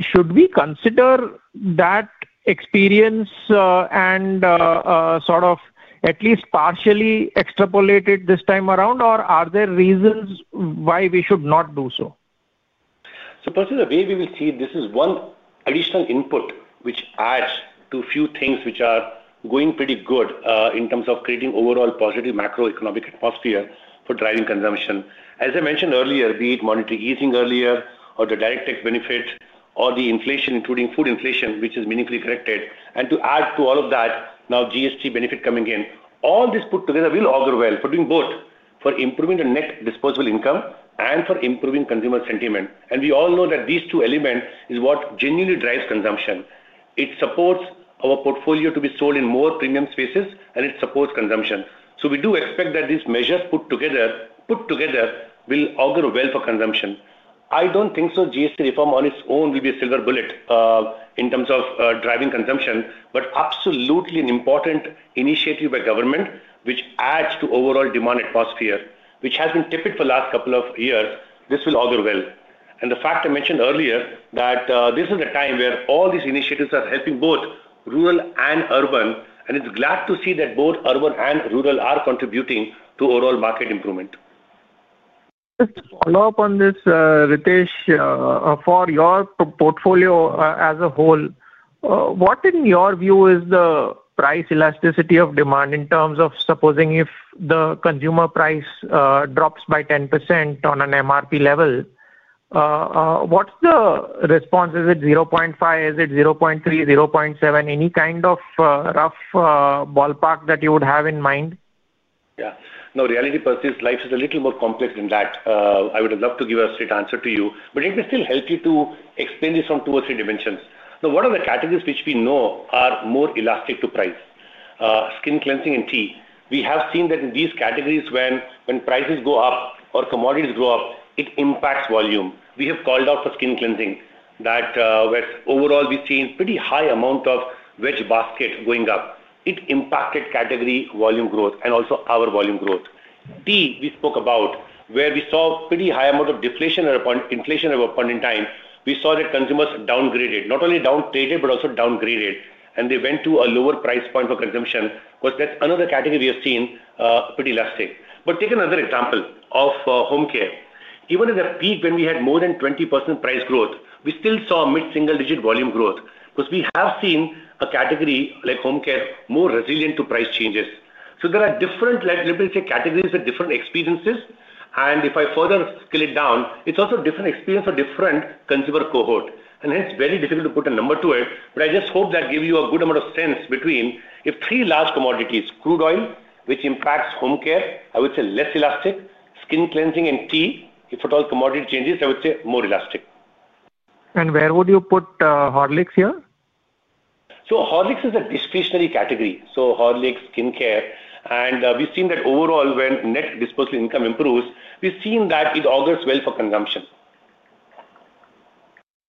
should we consider that experience and sort of at least partially extrapolate it this time around, or are there reasons why we should not do so? Personally, the way we will see it, this is one additional input which adds to a few things which are going pretty good in terms of creating overall positive macro-economic atmosphere for driving consumption. As I mentioned earlier, be it monetary easing earlier or the direct tax benefit or the inflation, including food inflation, which is meaningfully corrected, and to add to all of that, now GST benefit coming in, all this put together will augur well for doing both, for improving the net disposable income and for improving consumer sentiment. We all know that these two elements are what genuinely drive consumption. It supports our portfolio to be sold in more premium spaces, and it supports consumption. We do expect that these measures put together will augur well for consumption. I don't think GST reform on its own will be a silver bullet in terms of driving consumption, but absolutely an important initiative by government which adds to overall demand atmosphere, which has been tipping for the last couple of years. This will augur well. The fact I mentioned earlier, that this is the time where all these initiatives are helping both rural and urban, and it's glad to see that both urban and rural are contributing to overall market improvement. Just to follow up on this, Ritesh, for your portfolio as a whole, what in your view is the price elasticity of demand in terms of supposing if the consumer price drops by 10% on an MRP level? What's the response? Is it 0.5x? Is it 0.3x, 0.7x? Any kind of rough ballpark that you would have in mind? Yeah. No, reality, Percy, life is a little more complex than that. I would love to give a straight answer to you, but let me still help you to explain this from two or three dimensions. Now, what are the categories which we know are more elastic to price? Skin cleansing and tea. We have seen that in these categories, when prices go up or commodities grow up, it impacts volume. We have called out for skin cleansing, that where overall we've seen a pretty high amount of wedge basket going up. It impacted category volume growth and also our volume growth. Tea, we spoke about, where we saw a pretty high amount of deflation or inflation at a point in time, we saw that consumers downgraded, not only down-traded, but also downgraded, and they went to a lower price point for consumption. Of course, that's another category we have seen pretty elastic. Take another example of home care. Even at a peak when we had more than 20% price growth, we still saw mid-single-digit volume growth because we have seen a category like home care more resilient to price changes. There are different, let me say, categories with different experiences. If I further scale it down, it's also a different experience for a different consumer cohort. Hence, very difficult to put a number to it, but I just hope that gave you a good amount of sense between if three large commodities, crude oil, which impacts home care, I would say less elastic, skin cleansing and tea, if at all commodity changes, I would say more elastic. Where would you put Horlicks here? Horlicks is a discretionary category. Horlicks, skin care, and we've seen that overall, when net disposable income improves, we've seen that it augurs well for consumption.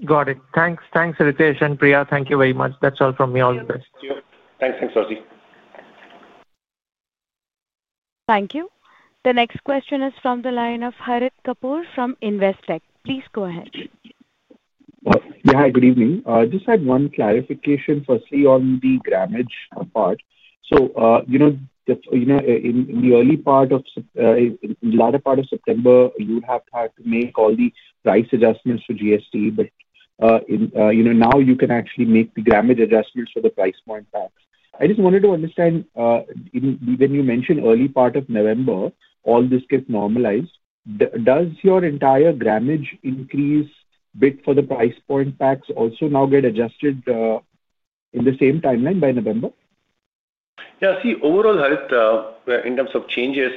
Got it. Thanks. Thanks, Ritesh and Priya. Thank you very much. That's all from me. All the best. Thank you. Thanks, thanks, Percy. Thank you. The next question is from the line of Harit Kapoor from Investec. Please go ahead. Yeah. Hi. Good evening. Just had one clarification for say on the grammage part. In the early part of the latter part of September, you would have had to make all the price adjustments for GST, but now you can actually make the grammage adjustments for the price point packs. I just wanted to understand, when you mentioned early part of November, all this gets normalized, does your entire grammage increase bid for the price point packs also now get adjusted in the same timeline by November? Yeah. See, overall, Harit, in terms of changes,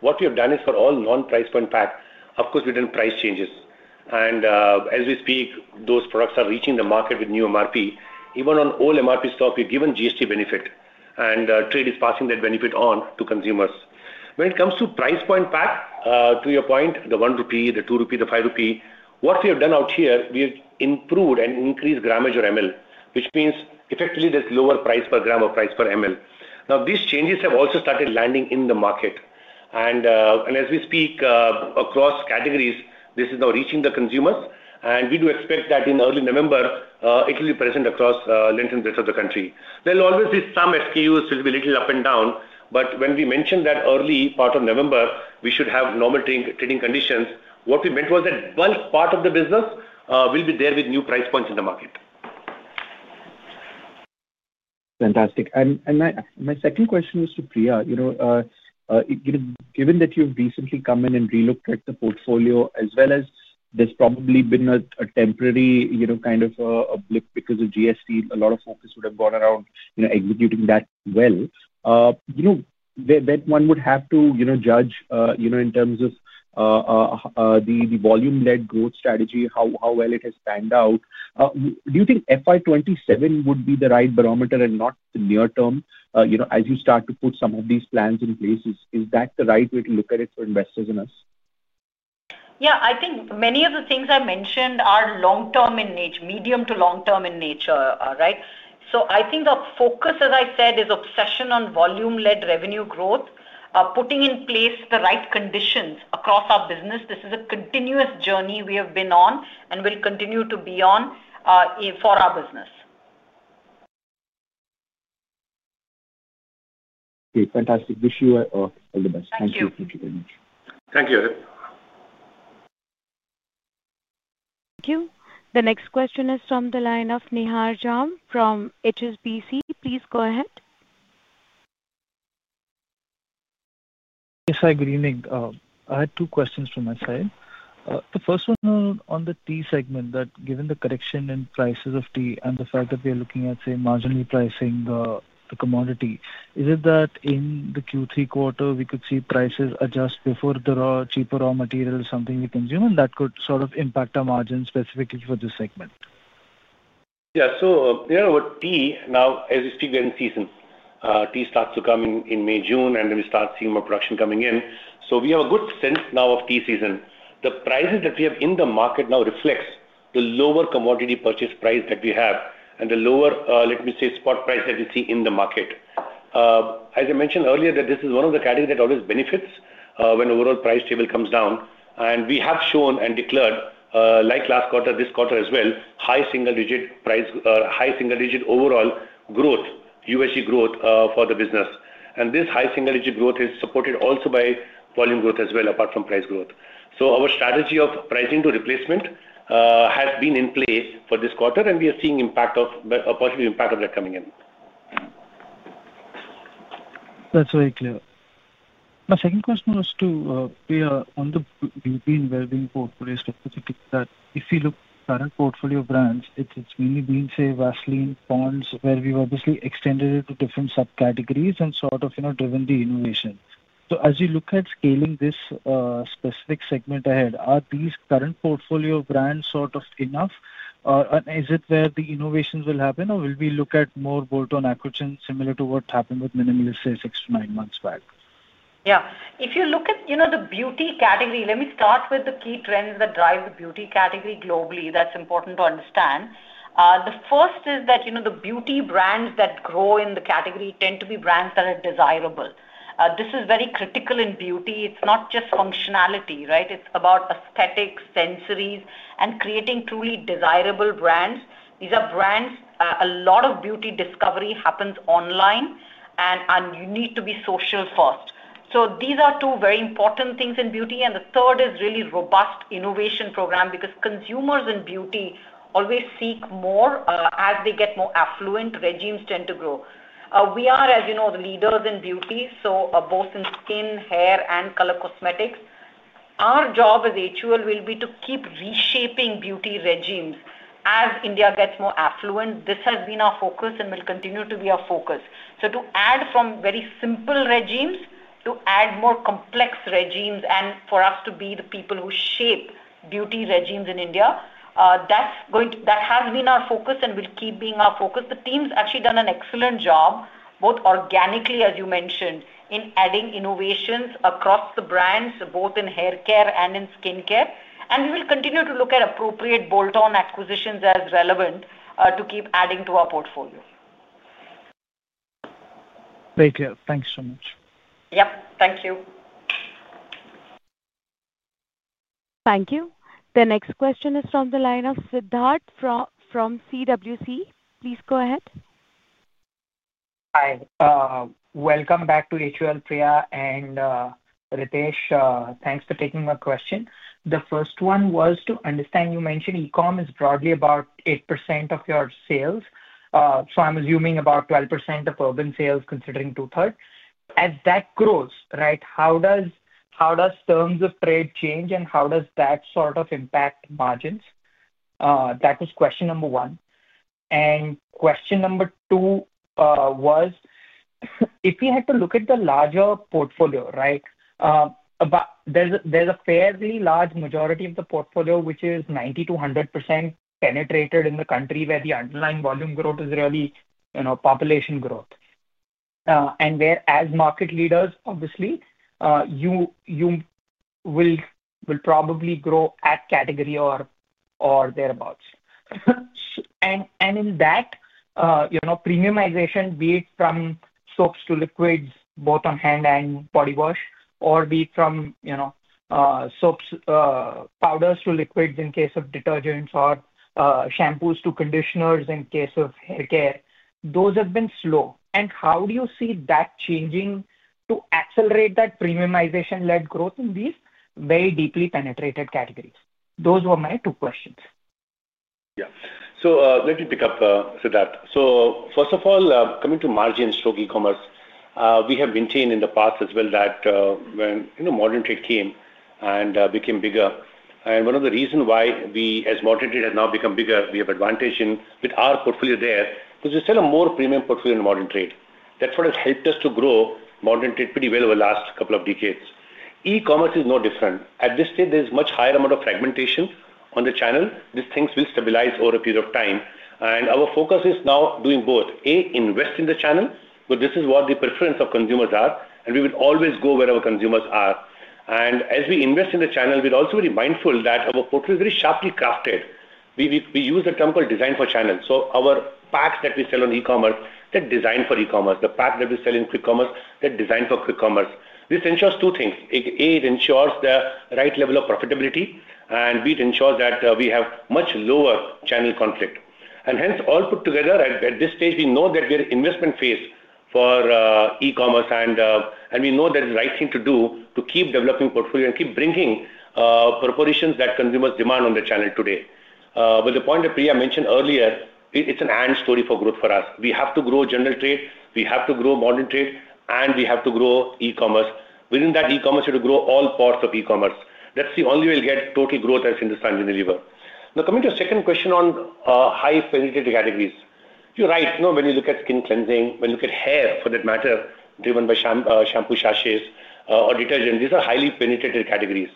what we have done is for all non-price point packs, of course, we did price changes. As we speak, those products are reaching the market with new MRP. Even on all MRP stuff, we've given GST benefit, and trade is passing that benefit on to consumers. When it comes to price point pack, to your point, the 1 rupee, the 2 rupee, the 5 rupee, what we have done out here, we have improved and increased grammage or mL, which means effectively there's lower price per gram or price per mL. These changes have also started landing in the market. As we speak across categories, this is now reaching the consumers. We do expect that in early November, it will be present across length and breadth of the country. There will always be some SKUs which will be a little up and down, but when we mentioned that early part of November, we should have normal trading conditions, what we meant was that bulk part of the business will be there with new price points in the market. Fantastic. My second question was to Priya. Given that you've recently come in and relooked at the portfolio, as well as there's probably been a temporary kind of a blip because of GST, a lot of focus would have gone around executing that well. When one would have to judge in terms of the volume-led growth strategy, how well it has panned out, do you think FY 2027 would be the right barometer and not the near term? As you start to put some of these plans in place, is that the right way to look at it for investors and us? I think many of the things I mentioned are long-term in nature, medium to long-term in nature, right? I think the focus, as I said, is obsession on volume-led revenue growth, putting in place the right conditions across our business. This is a continuous journey we have been on and will continue to be on for our business. Okay. Fantastic. Wish you all the best. Thank you. Thank you very much. Thank you, Harit. Thank you. The next question is from the line of Neharjam from HSBC. Please go ahead. Yes. Hi. Good evening. I had two questions from my side. The first one on the tea segment, that given the correction in prices of tea and the fact that we are looking at, say, marginally pricing the commodity, is it that in the Q3 quarter, we could see prices adjust before the cheaper raw material is something we consume and that could sort of impact our margin specifically for this segment? Yeah. With tea, now, as we speak, we are in season. Tea starts to come in in May, June, and then we start seeing more production coming in. We have a good sense now of tea season. The prices that we have in the market now reflect the lower commodity purchase price that we have and the lower, let me say, spot price that we see in the market. As I mentioned earlier, this is one of the categories that always benefits when the overall price table comes down. We have shown and declared, like last quarter, this quarter as well, high single-digit price or high single-digit overall growth, USG growth for the business. This high single-digit growth is supported also by volume growth as well, apart from price growth. Our strategy of pricing to replacement has been in play for this quarter, and we are seeing a positive impact of that coming in. That's very clear. My second question was to Priya. On the BB and well-being portfolio stuff, if you look at current portfolio brands, it's mainly been, say, Vaseline, Ponds, where we've obviously extended it to different subcategories and sort of driven the innovation. As you look at scaling this specific segment ahead, are these current portfolio brands sort of enough? Is it where the innovations will happen, or will we look at more bolt-on acquisitions similar to what happened with Minimalist, say, six to nine months back? Yeah. If you look at the beauty category, let me start with the key trends that drive the beauty category globally. That's important to understand. The first is that the beauty brands that grow in the category tend to be brands that are desirable. This is very critical in beauty. It's not just functionality, right? It's about aesthetics, sensories, and creating truly desirable brands. These are brands, a lot of beauty discovery happens online, and you need to be social first. These are two very important things in beauty. The third is really a robust innovation program because consumers in beauty always seek more. As they get more affluent, regimes tend to grow. We are, as you know, the leaders in beauty, so both in skin, hair, and color cosmetics. Our job as HUL will be to keep reshaping beauty regimes. As India gets more affluent, this has been our focus and will continue to be our focus. To add from very simple regimes to add more complex regimes and for us to be the people who shape beauty regimes in India, that has been our focus and will keep being our focus. The team's actually done an excellent job, both organically, as you mentioned, in adding innovations across the brands, both in hair care and in skin care. We will continue to look at appropriate bolt-on acquisitions as relevant to keep adding to our portfolio. Very clear. Thank you so much. Thank you. Thank you. The next question is from the line of Siddharth from CWC. Please go ahead. Hi. Welcome back to HUL, Priya and Ritesh. Thanks for taking my question. The first one was to understand, you mentioned e-comm is broadly about 8% of your sales. I'm assuming about 12% of urban sales, considering 2/3. As that grows, how does terms of trade change and how does that sort of impact margins? That was question number one. Question number two was, if we had to look at the larger portfolio, there's a fairly large majority of the portfolio, which is 90% to 100% penetrated in the country where the underlying volume growth is really population growth. As market leaders, obviously, you will probably grow at category or thereabouts. In that, premiumization, be it from soaps to liquids, both on hand and body wash, or be it from soaps, powders to liquids in case of detergents, or shampoos to conditioners in case of hair care, those have been slow. How do you see that changing to accelerate that premiumization-led growth in these very deeply penetrated categories? Those were my two questions. Yeah. Let me pick up Siddharth. First of all, coming to margin and stroke e-commerce, we have maintained in the past as well that when modern trade came and became bigger, one of the reasons why we, as modern trade, have now become bigger, we have advantage in our portfolio there because we sell a more premium portfolio in modern trade. That is what has helped us to grow modern trade pretty well over the last couple of decades. E-commerce is no different. At this stage, there is a much higher amount of fragmentation on the channel. These things will stabilize over a period of time. Our focus is now doing both. A, invest in the channel, where this is what the preference of consumers are, and we will always go where our consumers are. As we invest in the channel, we're also very mindful that our portfolio is very sharply crafted. We use a term called design for channel. Our packs that we sell on e-commerce, they're designed for e-commerce. The packs that we sell in quick commerce, they're designed for quick commerce. This ensures two things. A, it ensures the right level of profitability. B, it ensures that we have much lower channel conflict. All put together, at this stage, we know that we're in the investment phase for e-commerce, and we know that it's the right thing to do to keep developing a portfolio and keep bringing proportions that consumers demand on the channel today. With the point that Priya mentioned earlier, it's an end story for growth for us. We have to grow general trade, we have to grow modern trade, and we have to grow e-commerce. Within that e-commerce, you have to grow all parts of e-commerce. That is the only way we'll get total growth as Hindustan Unilever. Now, coming to the second question on high penetrated categories, you're right. When you look at skin cleansing, when you look at hair, for that matter, driven by shampoo sachets or detergents, these are highly penetrated categories.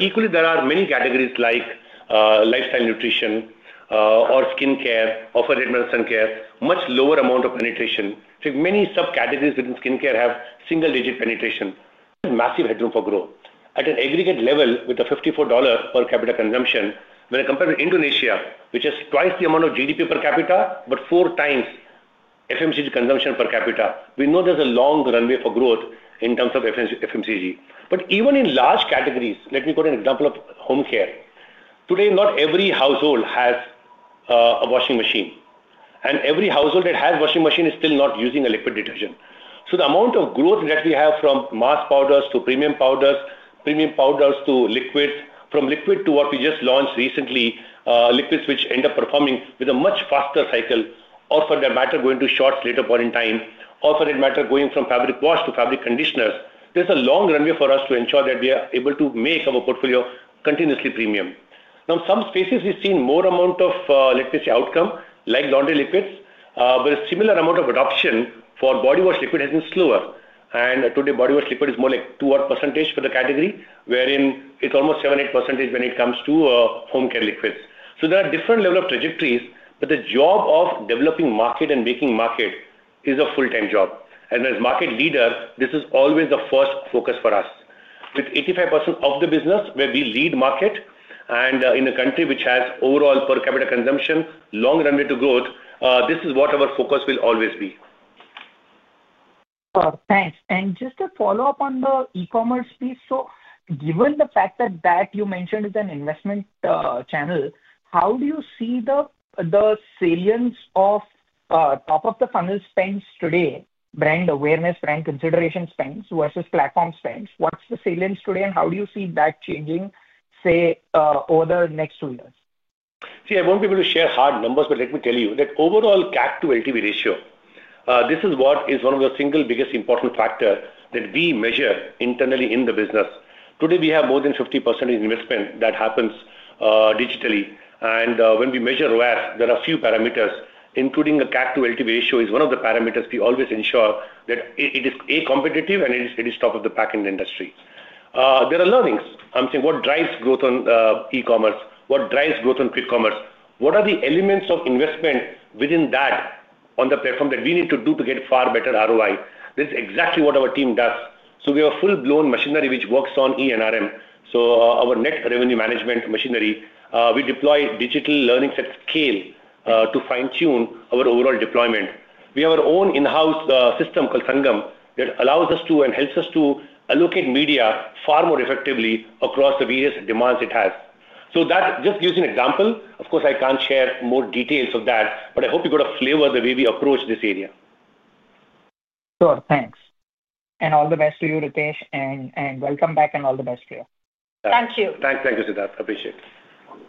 Equally, there are many categories like lifestyle nutrition or skin care or for regenerative sun care, much lower amount of penetration. Many subcategories within skin care have single-digit penetration. Massive headroom for growth. At an aggregate level, with a $54 per capita consumption, when I compare with Indonesia, which has twice the amount of GDP per capita, but 4x FMCG consumption per capita, we know there is a long runway for growth in terms of FMCG. Even in large categories, let me quote an example of home care. Today, not every household has a washing machine. Every household that has a washing machine is still not using a liquid detergent. The amount of growth that we have from mass powders to premium powders, premium powders to liquids, from liquid to what we just launched recently, liquids which end up performing with a much faster cycle, or for that matter, going to shorts at a later point in time, or for that matter, going from fabric wash to fabric conditioners, there's a long runway for us to ensure that we are able to make our portfolio continuously premium. In some spaces, we've seen more amount of outcome, like laundry liquids, where a similar amount of adoption for body wash liquid has been slower. Today, body wash liquid is more like 2% for the category, whereas it's almost 7% or 8% when it comes to home care liquids. There are different levels of trajectories, but the job of developing market and making market is a full-time job. As market leader, this is always the first focus for us. With 85% of the business where we lead the market and in a country which has overall per capita consumption, long runway to growth, this is what our focus will always be. Thanks. Just to follow up on the e-commerce piece, given the fact that you mentioned it is an investment channel, how do you see the salience of top-of-the-funnel spends today, brand awareness, brand consideration spends, versus platform spends? What's the salience today and how do you see that changing, say, over the next two years? See, I won't be able to share hard numbers, but let me tell you that overall CAC to LTV ratio, this is what is one of the single biggest important factors that we measure internally in the business. Today, we have more than 50% of the investment that happens digitally. When we measure ROAS, there are a few parameters, including a CAC to LTV ratio is one of the parameters we always ensure that it is, A, competitive, and it is top of the pack in the industry. There are learnings. What drives growth on e-commerce? What drives growth on quick commerce? What are the elements of investment within that on the platform that we need to do to get far better ROI? That's exactly what our team does. We have a full-blown machinery which works on ENRM. Our net revenue management machinery, we deploy digital learnings at scale to fine-tune our overall deployment. We have our own in-house system called Sangam that allows us to and helps us to allocate media far more effectively across the various demands it has. That just gives you an example. Of course, I can't share more details of that, but I hope you got a flavor of the way we approach this area. Sure. Thanks. All the best to you, Ritesh, and welcome back and all the best to you. Thank you. Thanks. Thank you, Siddharth. Appreciate it.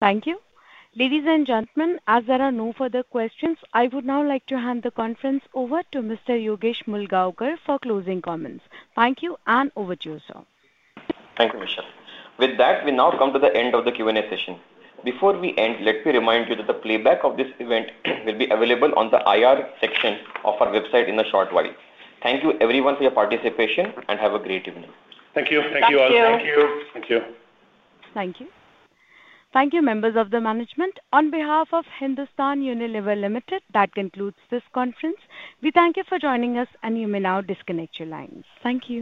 Thank you. Ladies and gentlemen, as there are no further questions, I would now like to hand the conference over to Mr. Yogesh Mulgaonkar for closing comments. Thank you and over to you, sir. Thank you, Michelle. With that, we now come to the end of the Q&A session. Before we end, let me remind you that the playback of this event will be available on the IR section of our website in a short while. Thank you, everyone, for your participation and have a great evening. Thank you. Thank you all. Thank you. Thank you. Thank you. Thank you, members of the management. On behalf of Hindustan Unilever Limited, that concludes this conference. We thank you for joining us, and you may now disconnect your lines. Thank you.